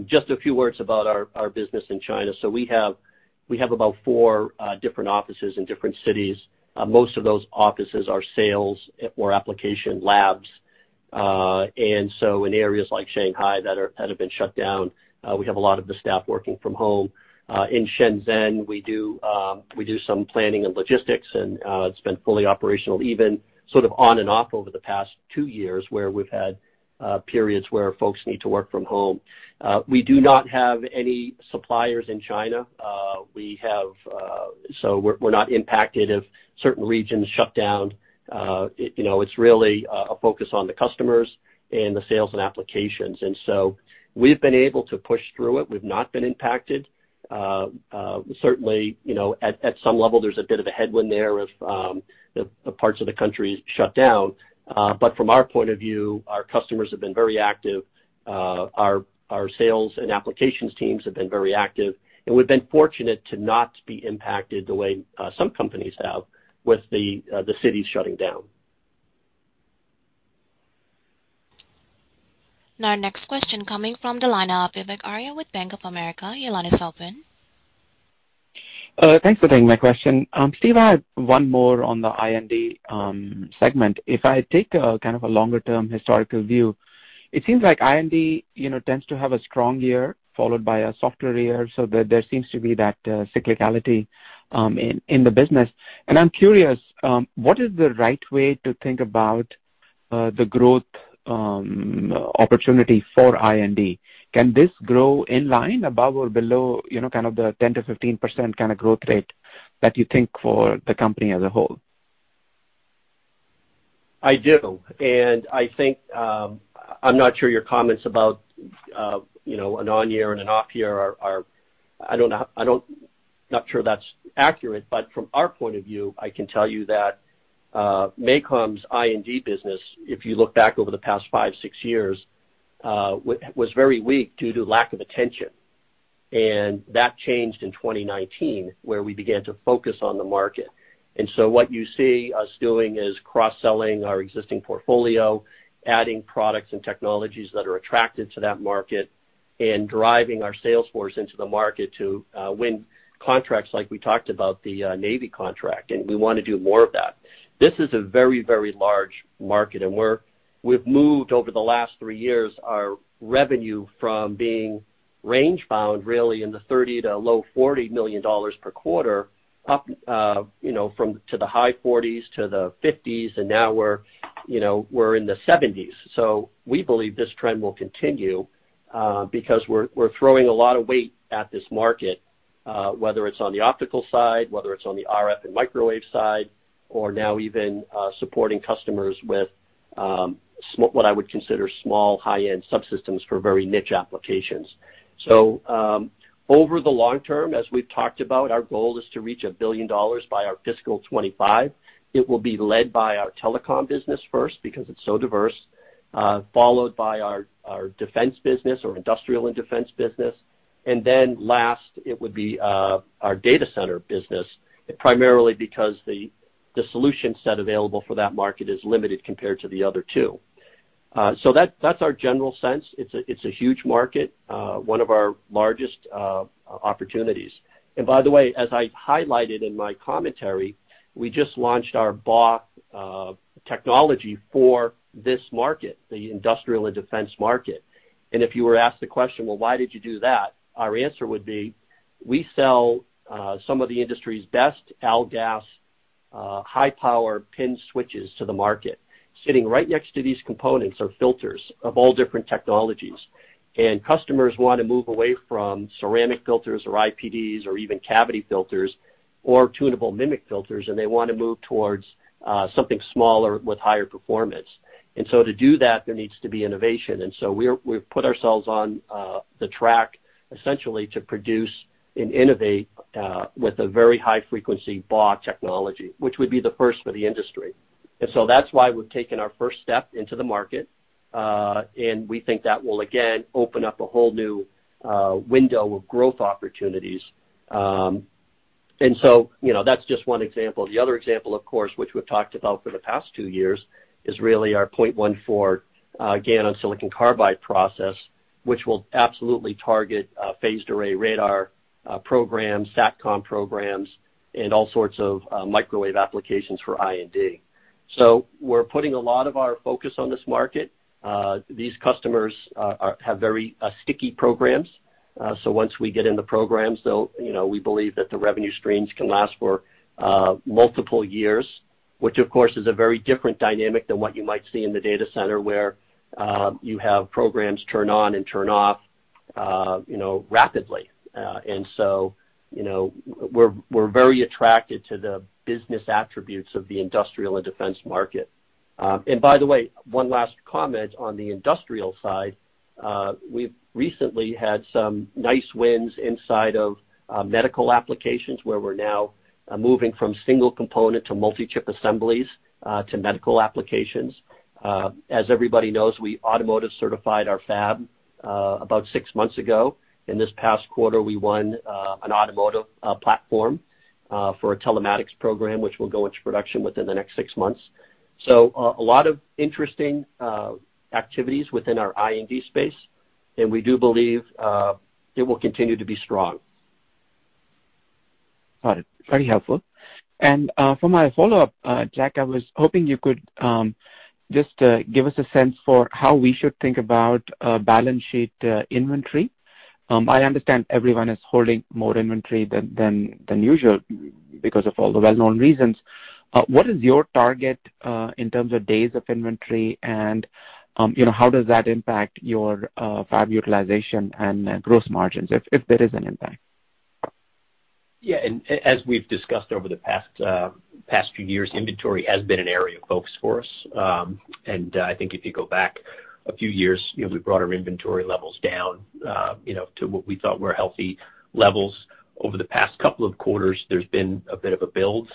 Just a few words about our business in China. We have about four different offices in different cities. Most of those offices are sales or application labs. In areas like Shanghai that have been shut down, we have a lot of the staff working from home. In Shenzhen, we do some planning and logistics, and it's been fully operational, even sort of on and off over the past two years, where we've had periods where folks need to work from home. We do not have any suppliers in China. We're not impacted if certain regions shut down. It, you know, it's really a focus on the customers and the sales and applications. We've been able to push through it. We've not been impacted. Certainly, you know, at some level, there's a bit of a headwind there if the parts of the country shut down. From our point of view, our customers have been very active. Our sales and applications teams have been very active, and we've been fortunate to not be impacted the way some companies have with the cities shutting down. Now, our next question coming from the line of Vivek Arya with Bank of America. Your line is open. Thanks for taking my question. Steve, I have one more on the I&D segment. If I take a kind of longer-term historical view, it seems like I&D, you know, tends to have a strong year followed by a softer year, so there seems to be that cyclicality in the business. I'm curious what is the right way to think about the growth opportunity for I&D? Can this grow in line above or below, you know, kind of the 10%-15% kind of growth rate that you think for the company as a whole? I do. I think I'm not sure your comments about, you know, an on year and an off year are. I don't know. I'm not sure that's accurate, but from our point of view, I can tell you that MACOM's I&D business, if you look back over the past five, six years, was very weak due to lack of attention. That changed in 2019, where we began to focus on the market. What you see us doing is cross-selling our existing portfolio, adding products and technologies that are attractive to that market, and driving our sales force into the market to win contracts like we talked about, the Navy contract, and we wanna do more of that. This is a very, very large market, and we've moved, over the last three years, our revenue from being range bound, really, in the $30 million to low $40 million per quarter, up, you know, to the high 40s to the 50s, and now we're, you know, we're in the 70s. We believe this trend will continue, because we're throwing a lot of weight at this market, whether it's on the optical side, whether it's on the RF and microwave side, or now even supporting customers with what I would consider small high-end subsystems for very niche applications. Over the long term, as we've talked about, our goal is to reach $1 billion by our fiscal 2025. It will be led by our telecom business first, because it's so diverse, followed by our defense business or industrial and defense business, and then last, it would be our data center business, primarily because the solution set available for that market is limited compared to the other two. That's our general sense. It's a huge market, one of our largest opportunities. By the way, as I highlighted in my commentary, we just launched our BAW technology for this market, the industrial and defense market. If you were asked the question, "Well, why did you do that?" Our answer would be, we sell some of the industry's best AlGaAs high-power PIN switches to the market. Sitting right next to these components are filters of all different technologies. Customers wanna move away from ceramic filters or IPDs or even cavity filters or tunable MMIC filters, and they wanna move towards something smaller with higher performance. To do that, there needs to be innovation. We've put ourselves on the track essentially to produce and innovate with a very high frequency BAW technology, which would be the first for the industry. That's why we've taken our first step into the market, and we think that will again open up a whole new window of growth opportunities. You know, that's just one example. The other example, of course, which we've talked about for the past two years, is really our 0.14 GaN-on-SiC process, which will absolutely target phased array radar programs, SATCOM programs, and all sorts of microwave applications for I&D. We're putting a lot of our focus on this market. These customers have very sticky programs. Once we get in the programs, they'll, you know, we believe that the revenue streams can last for multiple years, which of course is a very different dynamic than what you might see in the data center, where you have programs turn on and turn off, you know, rapidly. You know, we're very attracted to the business attributes of the industrial and defense market. By the way, one last comment on the industrial side. We've recently had some nice wins inside of medical applications, where we're now moving from single component to multi-chip assemblies to medical applications. As everybody knows, we automotive certified our fab about six months ago. In this past quarter, we won an automotive platform for a telematics program, which will go into production within the next six months. A lot of interesting activities within our I&D space, and we do believe it will continue to be strong. Got it. Very helpful. For my follow-up, Jack, I was hoping you could just give us a sense for how we should think about balance sheet inventory. I understand everyone is holding more inventory than usual because of all the well-known reasons. What is your target in terms of days of inventory? You know, how does that impact your fab utilization and gross margins, if there is an impact? As we've discussed over the past few years, inventory has been an area of focus for us. I think if you go back a few years, you know, we brought our inventory levels down, you know, to what we thought were healthy levels. Over the past couple of quarters, there's been a bit of a build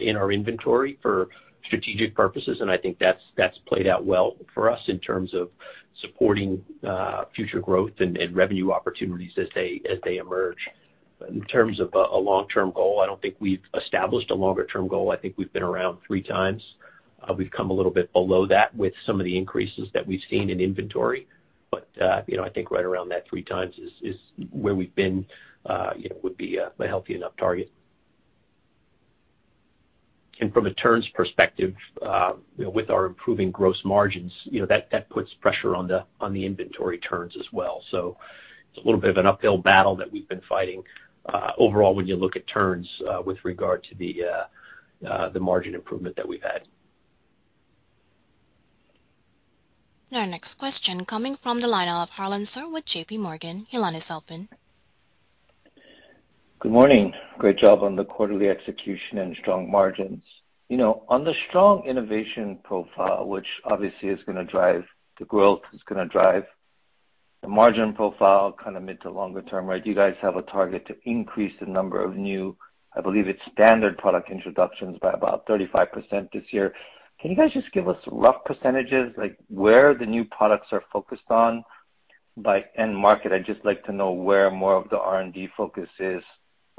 in our inventory for strategic purposes, and I think that's played out well for us in terms of supporting future growth and revenue opportunities as they emerge. In terms of a long-term goal, I don't think we've established a longer term goal. I think we've been around three times. We've come a little bit below that with some of the increases that we've seen in inventory. I think right around that three times is where we've been, you know, would be a healthy enough target. From a turns perspective, you know, with our improving gross margins, you know, that puts pressure on the inventory turns as well. It's a little bit of an uphill battle that we've been fighting, overall, when you look at turns, with regard to the margin improvement that we've had. Our next question coming from the line of Harlan Sur with JPMorgan. Harlan Sur. Good morning. Great job on the quarterly execution and strong margins. You know, on the strong innovation profile, which obviously is gonna drive the growth. The margin profile kind of mid to longer term, right? You guys have a target to increase the number of new, I believe it's standard product introductions by about 35% this year. Can you guys just give us rough percentages, like where the new products are focused on by end market? I'd just like to know where more of the R&D focus is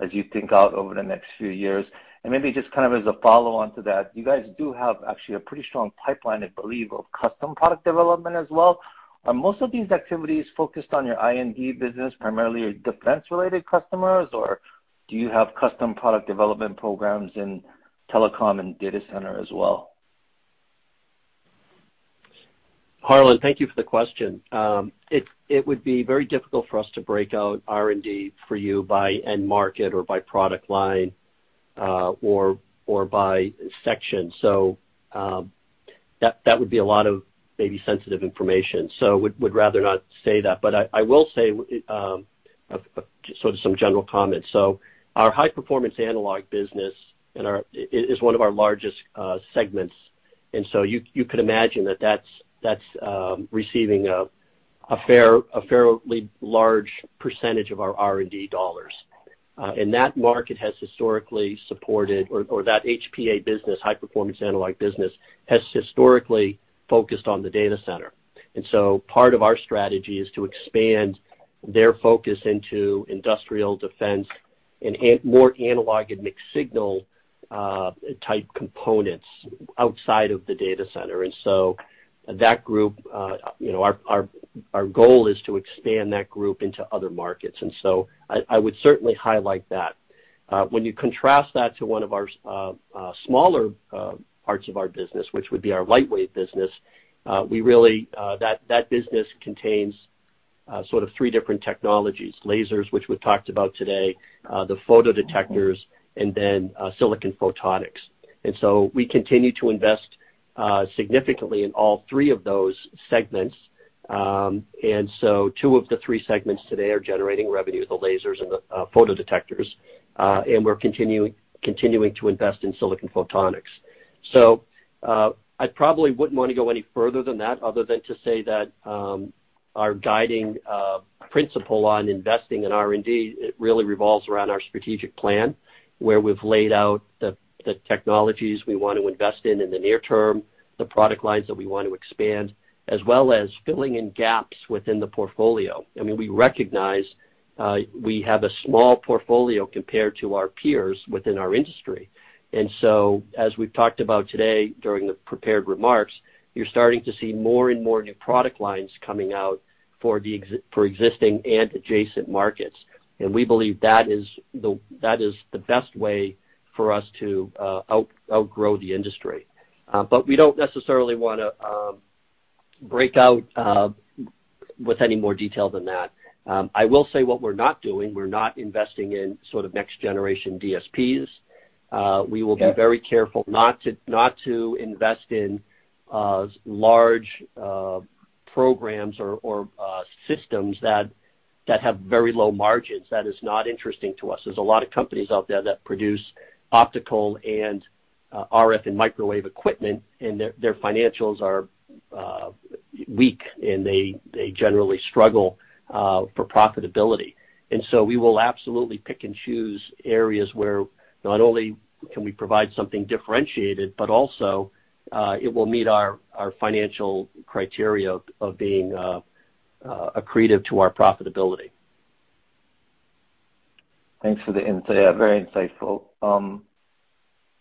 as you think out over the next few years. Maybe just kind of as a follow-on to that, you guys do have actually a pretty strong pipeline, I believe, of custom product development as well. Are most of these activities focused on your I&D business, primarily defense-related customers? Or do you have custom product development programs in telecom and data center as well? Harlan, thank you for the question. It would be very difficult for us to break out R&D for you by end market or by product line, or by section. That would be a lot of maybe sensitive information. We'd rather not say that. I will say sort of some general comments. Our high-performance analog business is one of our largest segments. You could imagine that that's receiving a fairly large percentage of our R&D dollars. That market has historically supported, or that HPA business, high-performance analog business, has historically focused on the data center. Part of our strategy is to expand their focus into industrial defense and more analog and mixed signal type components outside of the data center. That group you know our goal is to expand that group into other markets. I would certainly highlight that. When you contrast that to one of our smaller parts of our business, which would be our LightWave business, we really that business contains sort of three different technologies, lasers, which we've talked about today, the photodetectors, and then silicon photonics. We continue to invest significantly in all three of those segments. Two of the three segments today are generating revenue, the lasers and the photodetectors, and we're continuing to invest in silicon photonics. I probably wouldn't want to go any further than that other than to say that our guiding principle on investing in R&D really revolves around our strategic plan, where we've laid out the technologies we want to invest in in the near term, the product lines that we want to expand, as well as filling in gaps within the portfolio. I mean, we recognize we have a small portfolio compared to our peers within our industry. As we've talked about today during the prepared remarks, you're starting to see more and more new product lines coming out for existing and adjacent markets. We believe that is the best way for us to outgrow the industry. We don't necessarily wanna break out with any more detail than that. I will say what we're not doing. We're not investing in sort of next-generation DSPs. We will be very careful not to invest in large programs or systems that have very low margins. That is not interesting to us. There's a lot of companies out there that produce optical and RF and microwave equipment, and their financials are weak, and they generally struggle for profitability. We will absolutely pick and choose areas where not only can we provide something differentiated, but also it will meet our financial criteria of being accretive to our profitability. Thanks for the insight. Very insightful.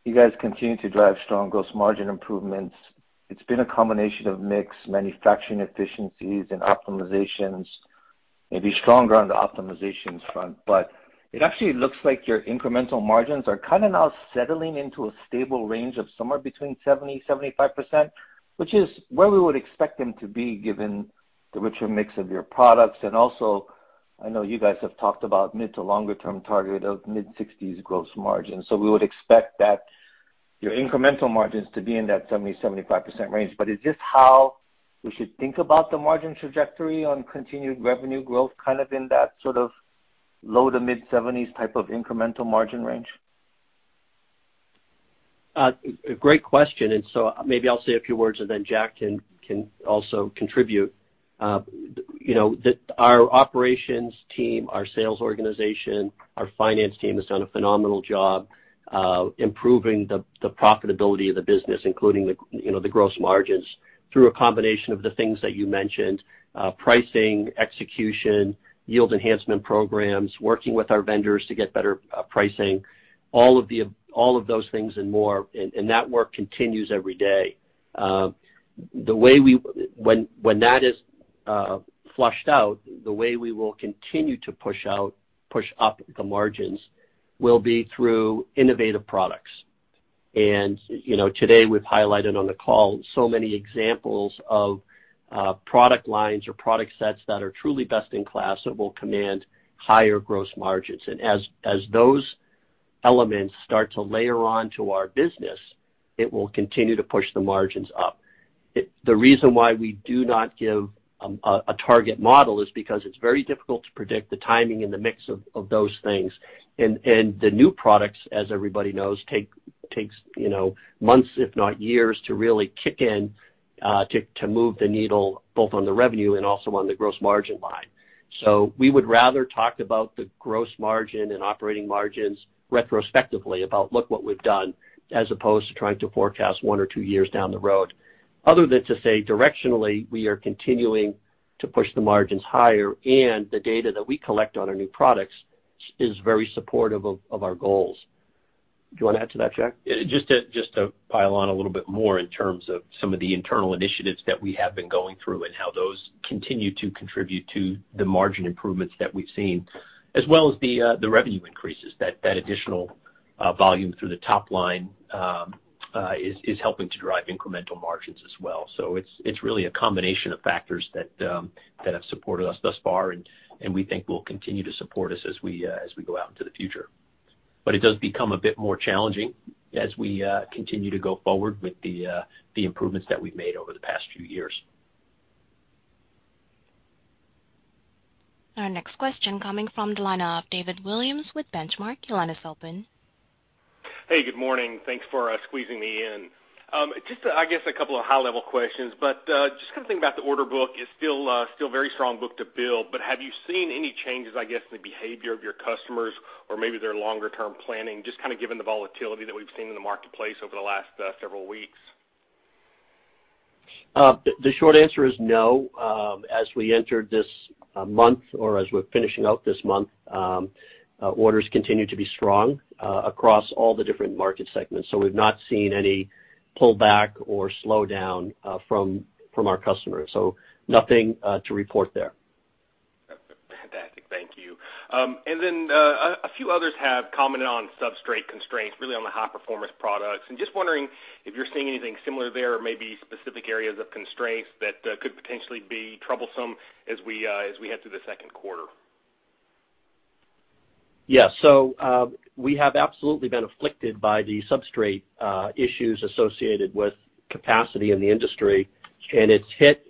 You guys continue to drive strong gross margin improvements. It's been a combination of mix, manufacturing efficiencies and optimizations, maybe stronger on the optimizations front. It actually looks like your incremental margins are kinda now settling into a stable range of somewhere between 70%-75%, which is where we would expect them to be given the richer mix of your products. I know you guys have talked about mid- to long-term target of mid-60s gross margin. We would expect that your incremental margins to be in that 70%-75% range. Is this how we should think about the margin trajectory on continued revenue growth, kind of in that sort of low- to mid-70s type of incremental margin range? Great question. Maybe I'll say a few words and then Jack can also contribute. You know, our operations team, our sales organization, our finance team has done a phenomenal job, improving the profitability of the business, including, you know, the gross margins through a combination of the things that you mentioned, pricing, execution, yield enhancement programs, working with our vendors to get better pricing, all of those things and more, and that work continues every day. When that is fleshed out, the way we will continue to push up the margins will be through innovative products. You know, today we've highlighted on the call so many examples of product lines or product sets that are truly best in class that will command higher gross margins. As those elements start to layer on to our business, it will continue to push the margins up. The reason why we do not give a target model is because it's very difficult to predict the timing and the mix of those things. The new products, as everybody knows, takes, you know, months if not years to really kick in, to move the needle both on the revenue and also on the gross margin line. We would rather talk about the gross margin and operating margins retrospectively about look what we've done as opposed to trying to forecast one or two years down the road. Other than to say directionally, we are continuing to push the margins higher, and the data that we collect on our new products is very supportive of our goals. Do you wanna add to that, Jack? Just to pile on a little bit more in terms of some of the internal initiatives that we have been going through and how those continue to contribute to the margin improvements that we've seen, as well as the revenue increases. That additional volume through the top line is helping to drive incremental margins as well. It's really a combination of factors that have supported us thus far and we think will continue to support us as we go out into the future. It does become a bit more challenging as we continue to go forward with the improvements that we've made over the past few years. Our next question coming from the line of David Williams with Benchmark. Your line is open. Hey, good morning. Thanks for squeezing me in. Just, I guess a couple of high-level questions, but just kind of thinking about the order book is still very strong book-to-bill, but have you seen any changes, I guess, in the behavior of your customers or maybe their longer-term planning, just kind of given the volatility that we've seen in the marketplace over the last several weeks? The short answer is no. As we entered this month or as we're finishing out this month, orders continue to be strong across all the different market segments. We've not seen any pullback or slowdown from our customers. Nothing to report there. Fantastic. Thank you. A few others have commented on substrate constraints, really on the high-performance products. Just wondering if you're seeing anything similar there or maybe specific areas of constraints that could potentially be troublesome as we head through the second quarter. Yeah. We have absolutely been afflicted by the substrate issues associated with capacity in the industry, and it's hit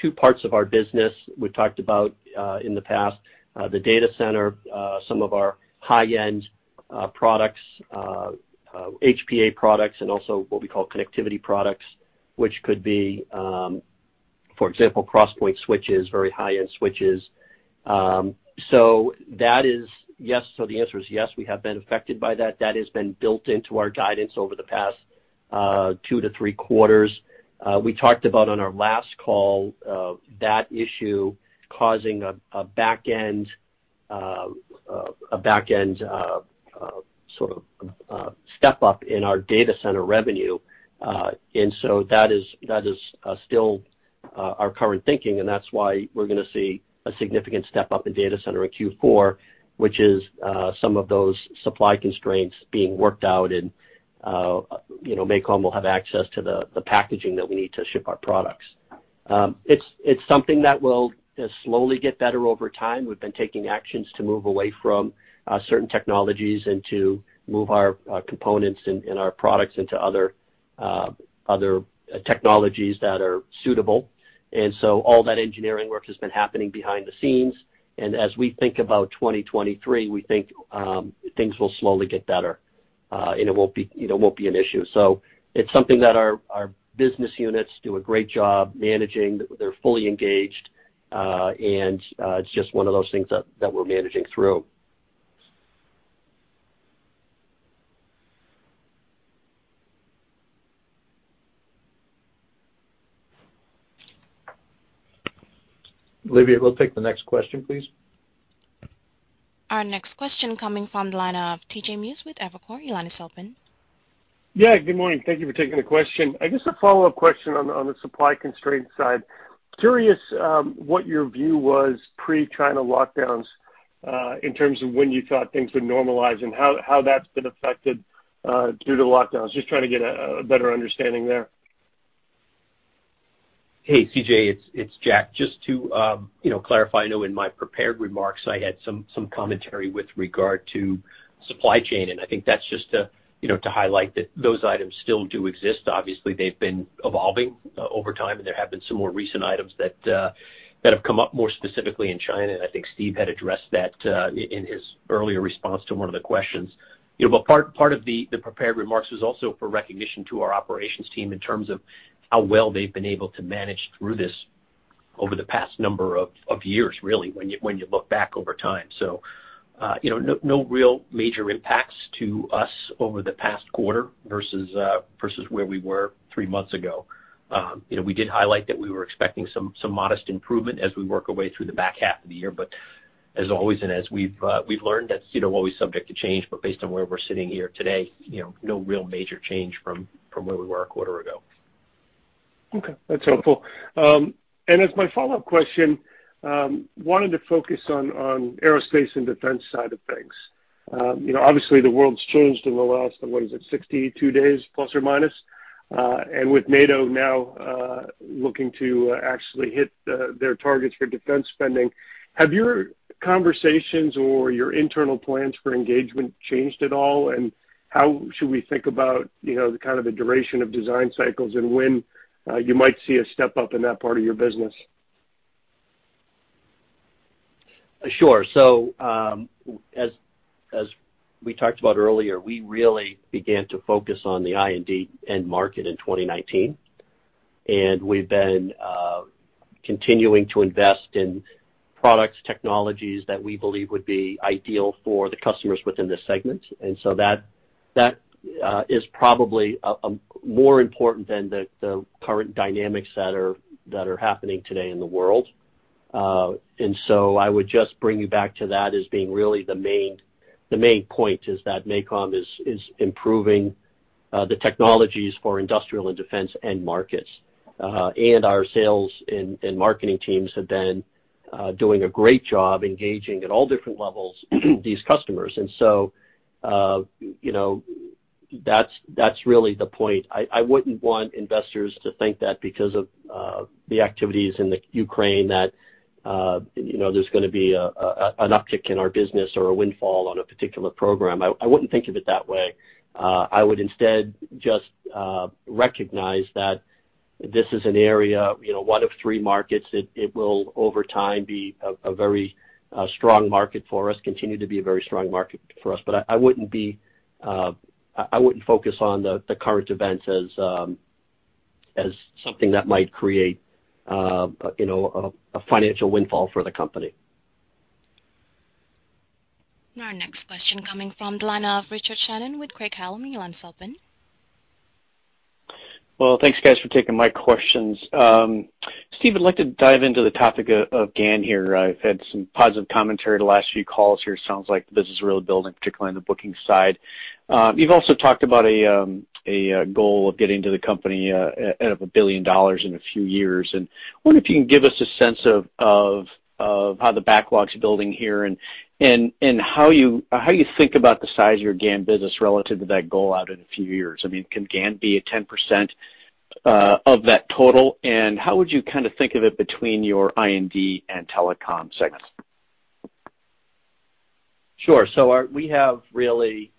two parts of our business. We've talked about in the past the data center some of our high-end products HPA products, and also what we call connectivity products, which could be for example crosspoint switches, very high-end switches. That is yes. The answer is yes, we have been affected by that. That has been built into our guidance over the past two to three quarters. We talked about on our last call that issue causing a back end sort of step-up in our data center revenue. That is our current thinking, and that's why we're gonna see a significant step-up in data center in Q4, which is some of those supply constraints being worked out and you know, MACOM will have access to the packaging that we need to ship our products. It's something that will slowly get better over time. We've been taking actions to move away from certain technologies and to move our components and our products into other technologies that are suitable. All that engineering work has been happening behind the scenes. As we think about 2023, we think things will slowly get better and it won't be an issue. It's something that our business units do a great job managing. They're fully engaged, and it's just one of those things that we're managing through. Olivia, we'll take the next question, please. Our next question coming from the line of C.J. Muse with Evercore. Your line is open. Yeah. Good morning. Thank you for taking the question. I guess a follow-up question on the supply constraint side. Curious what your view was pre-China lockdowns in terms of when you thought things would normalize and how that's been affected due to lockdowns. Just trying to get a better understanding there. Hey, C.J. It's Jack. Just to you know, clarify. I know in my prepared remarks, I had some commentary with regard to supply chain, and I think that's just to you know, to highlight that those items still do exist. Obviously, they've been evolving over time, and there have been some more recent items that have come up more specifically in China. I think Steve had addressed that in his earlier response to one of the questions. You know, part of the prepared remarks was also for recognition to our operations team in terms of how well they've been able to manage through this over the past number of years, really, when you look back over time. You know, no real major impacts to us over the past quarter versus where we were three months ago. You know, we did highlight that we were expecting some modest improvement as we work our way through the back half of the year. As always and as we've learned, that's always subject to change, but based on where we're sitting here today, you know, no real major change from where we were a quarter ago. Okay. That's helpful. As my follow-up question, wanted to focus on the aerospace and defense side of things. You know, obviously, the world's changed in the last, what is it, 62 days plus or minus. With NATO now looking to actually hit their targets for defense spending, have your conversations or your internal plans for engagement changed at all, and how should we think about, you know, the kind of duration of design cycles and when you might see a step-up in that part of your business? Sure. As we talked about earlier, we really began to focus on the I&D end market in 2019. We've been continuing to invest in products, technologies that we believe would be ideal for the customers within this segment. That is probably more important than the current dynamics that are happening today in the world. I would just bring you back to that as being really the main point is that MACOM is improving the technologies for industrial and defense end markets. Our sales and marketing teams have been doing a great job engaging at all different levels, these customers. You know, that's really the point. I wouldn't want investors to think that because of the activities in the Ukraine that you know there's gonna be an uptick in our business or a windfall on a particular program. I wouldn't think of it that way. I would instead just recognize that this is an area you know one of three markets that it will over time be a very strong market for us continue to be a very strong market for us. I wouldn't focus on the current events as something that might create you know a financial windfall for the company. Our next question coming from the line of Richard Shannon with Craig-Hallum. Your line's open. Well, thanks guys for taking my questions. Steve, I'd like to dive into the topic of GaN here. I've had some positive commentary the last few calls here. Sounds like the business is really building, particularly on the booking side. You've also talked about a goal of getting to the company at $1 billion in a few years. I wonder if you can give us a sense of how the backlog's building here and how you think about the size of your GaN business relative to that goal out in a few years. I mean, can GaN be at 10% of that total? How would you kind of think of it between your I&D and telecom segments? We have really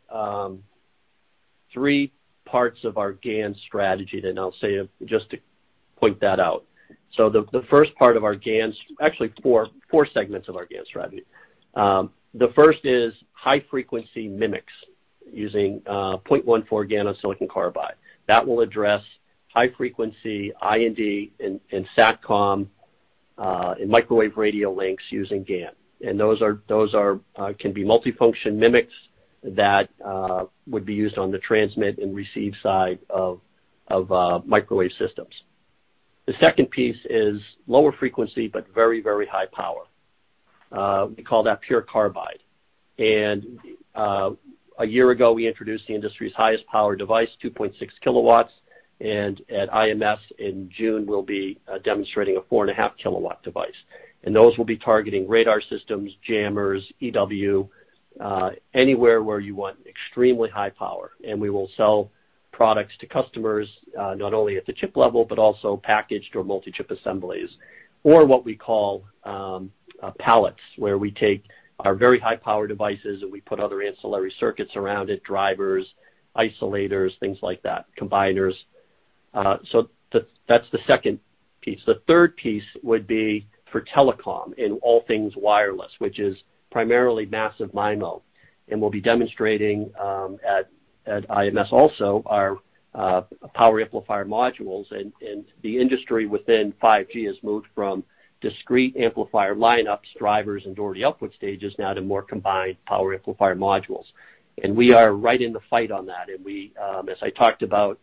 three parts of our GaN strategy that I'll say just to point that out. The first part of our GaN, actually four segments of our GaN strategy. The first is high frequency MMICs using 0.14 GaN-on-SiC. That will address high frequency I&D and SATCOM and microwave radio links using GaN. Those can be multifunction MMICs that would be used on the transmit and receive side of microwave systems. The second piece is lower frequency, but very high power. We call that PURE CARBIDE. A year ago, we introduced the industry's highest power device, 2.6 kW. At IMS in June, we'll be demonstrating a 4.5 kW device. Those will be targeting radar systems, jammers, EW, anywhere where you want extremely high power. We will sell products to customers, not only at the chip level, but also packaged or multi-chip assemblies or what we call, pallets, where we take our very high power devices, and we put other ancillary circuits around it, drivers, isolators, things like that, combiners. That's the second piece. The third piece would be for telecom in all things wireless, which is primarily massive MIMO. We'll be demonstrating, at IMS also our, power amplifier modules. The industry within 5G has moved from discrete amplifier lineups, drivers, and Doherty output stages now to more combined power amplifier modules. We are right in the fight on that. We, as I talked about,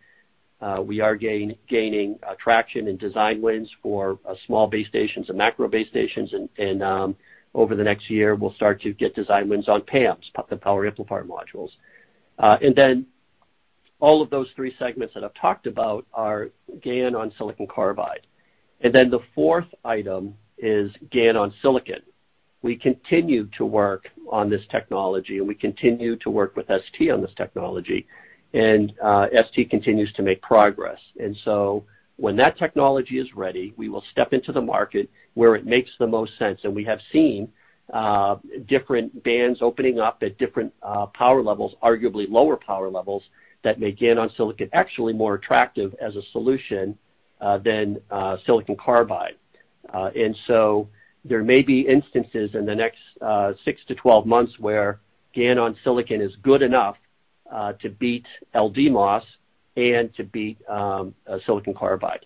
we are gaining traction and design wins for small base stations and macro base stations. Over the next year, we'll start to get design wins on PAMs, the power amplifier modules. Then all of those three segments that I've talked about are GaN on silicon carbide. Then the fourth item is GaN on silicon. We continue to work on this technology, and we continue to work with ST on this technology. ST continues to make progress. When that technology is ready, we will step into the market where it makes the most sense. We have seen different bands opening up at different power levels, arguably lower power levels, that make GaN on silicon actually more attractive as a solution than silicon carbide. There may be instances in the next six-12 months where GaN on silicon is good enough to beat LDMOS and to beat silicon carbide.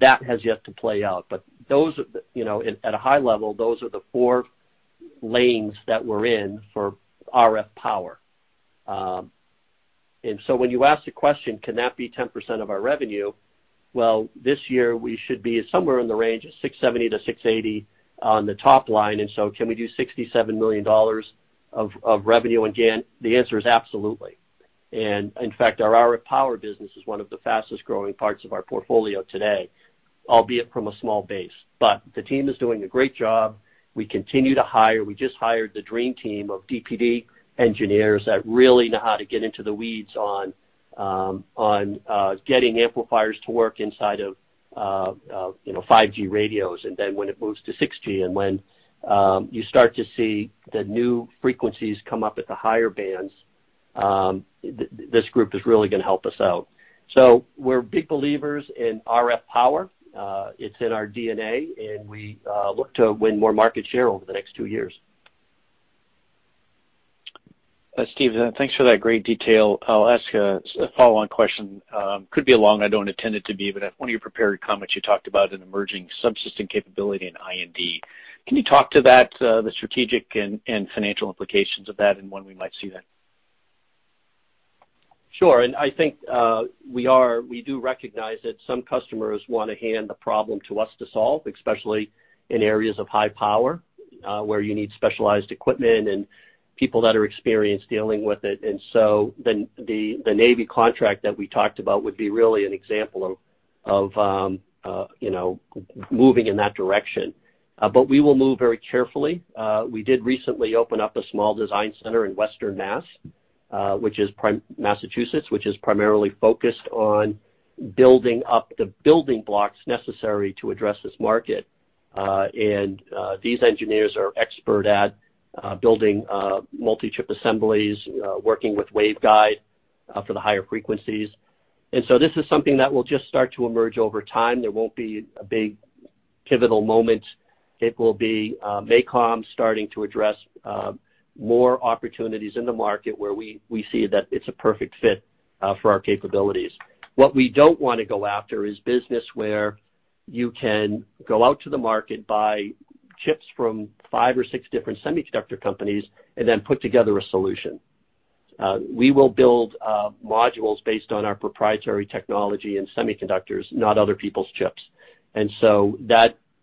That has yet to play out. Those are the you know, at a high level, those are the four lanes that we're in for RF power. When you ask the question, can that be 10% of our revenue? Well, this year we should be somewhere in the range of $670 million-$680 million on the top line. Can we do $67 million of revenue on GaN? The answer is absolutely. In fact, our RF power business is one of the fastest-growing parts of our portfolio today, albeit from a small base. The team is doing a great job. We continue to hire. We just hired the dream team of DPD engineers that really know how to get into the weeds on getting amplifiers to work inside of you know 5G radios. Then when it moves to 6G and when you start to see the new frequencies come up at the higher bands. This group is really gonna help us out. We're big believers in RF power. It's in our DNA, and we look to win more market share over the next two years. Steve, thanks for that great detail. I'll ask a follow-on question. Could be long, I don't intend it to be, but in one of your prepared comments, you talked about an emerging subsystem capability in I&D. Can you talk to that, the strategic and financial implications of that and when we might see that? Sure. I think we do recognize that some customers wanna hand the problem to us to solve, especially in areas of high power, where you need specialized equipment and people that are experienced dealing with it. The Navy contract that we talked about would be really an example of you know moving in that direction. But we will move very carefully. We did recently open up a small design center in Western Mass, Massachusetts, which is primarily focused on building up the building blocks necessary to address this market. And these engineers are expert at building multi-chip assemblies, working with waveguide, for the higher frequencies. This is something that will just start to emerge over time. There won't be a big pivotal moment. It will be MACOM starting to address more opportunities in the market where we see that it's a perfect fit for our capabilities. What we don't wanna go after is business where you can go out to the market, buy chips from five or six different semiconductor companies, and then put together a solution. We will build modules based on our proprietary technology and semiconductors, not other people's chips.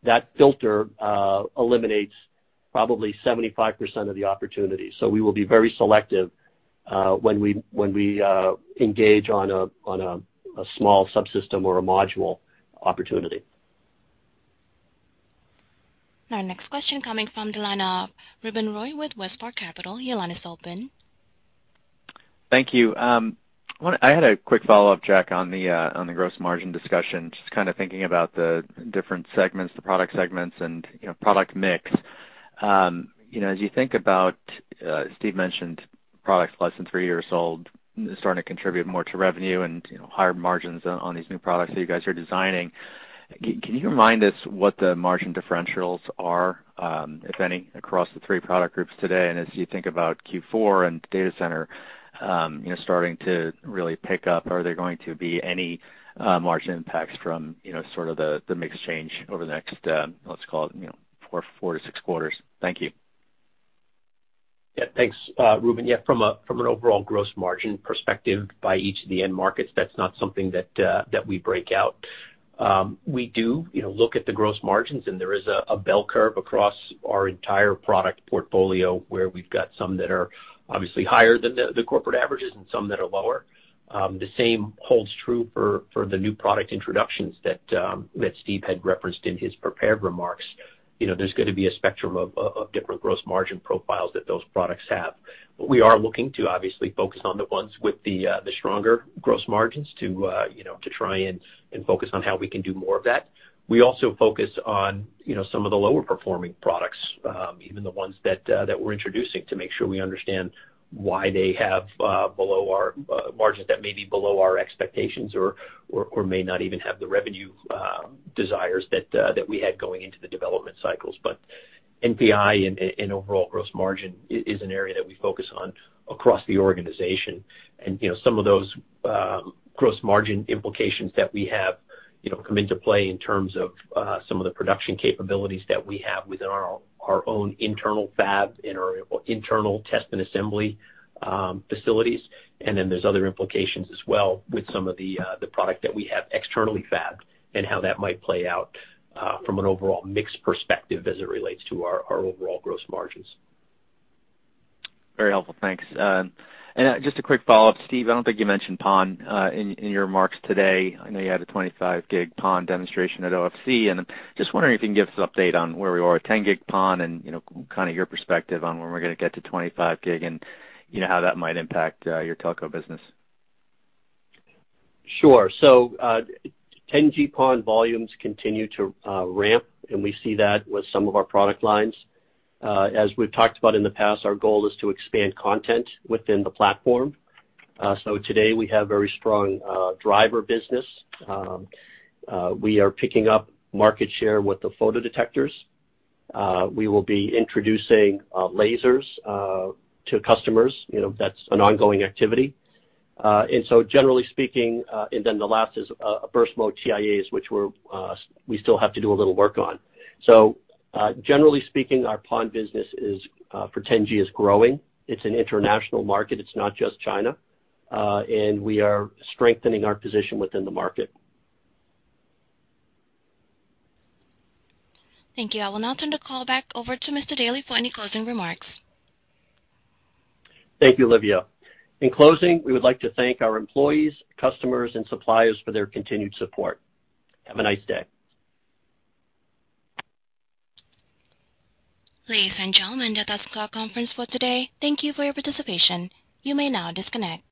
That filter eliminates probably 75% of the opportunities. We will be very selective when we engage on a small subsystem or a module opportunity. Our next question coming from the line of Ruben Roy with WestPark Capital. Your line is open. Thank you. I had a quick follow-up, John, on the gross margin discussion. Just kinda thinking about the different segments, the product segments and, you know, product mix. You know, as you think about, Stephen mentioned products less than three years old starting to contribute more to revenue and, you know, higher margins on these new products that you guys are designing, can you remind us what the margin differentials are, if any, across the three product groups today? As you think about Q4 and data center, you know, starting to really pick up, are there going to be any margin impacts from, you know, sort of the mix change over the next, let's call it, you know, four to six quarters? Thank you. Yeah, thanks, Ruben. Yeah, from an overall gross margin perspective by each of the end markets, that's not something that we break out. We do, you know, look at the gross margins, and there is a bell curve across our entire product portfolio, where we've got some that are obviously higher than the corporate averages and some that are lower. The same holds true for the new product introductions that Steve had referenced in his prepared remarks. You know, there's gonna be a spectrum of different gross margin profiles that those products have. We are looking to obviously focus on the ones with the stronger gross margins to, you know, to try and focus on how we can do more of that. We also focus on, you know, some of the lower-performing products, even the ones that we're introducing to make sure we understand why they have below our margins that may be below our expectations or may not even have the revenue desires that we had going into the development cycles. NPI and overall gross margin is an area that we focus on across the organization. You know, some of those gross margin implications that we have, you know, come into play in terms of some of the production capabilities that we have within our own internal fab, in our internal test and assembly facilities. Then there's other implications as well with some of the product that we have externally fabbed and how that might play out, from an overall mix perspective as it relates to our overall gross margins. Very helpful. Thanks. Just a quick follow-up, Steve. I don't think you mentioned PON in your remarks today. I know you had a 25 gig PON demonstration at OFC. I'm just wondering if you can give us an update on where we are with 10 GPON and, you know, kinda your perspective on when we're gonna get to 25 Gb and, you know, how that might impact your telco business. Sure. 10 GPON volumes continue to ramp, and we see that with some of our product lines. As we've talked about in the past, our goal is to expand content within the platform. Today we have very strong driver business. We are picking up market share with the photodetectors. We will be introducing lasers to customers. You know, that's an ongoing activity. Generally speaking, and then the last is burst mode TIAs, which we still have to do a little work on. Generally speaking, our PON business for 10 Gb is growing. It's an international market, it's not just China. We are strengthening our position within the market. Thank you. I will now turn the call back over to Mr. Daly for any closing remarks. Thank you, Olivia. In closing, we would like to thank our employees, customers, and suppliers for their continued support. Have a nice day. Ladies and gentlemen, that does conclude our conference for today. Thank you for your participation. You may now disconnect.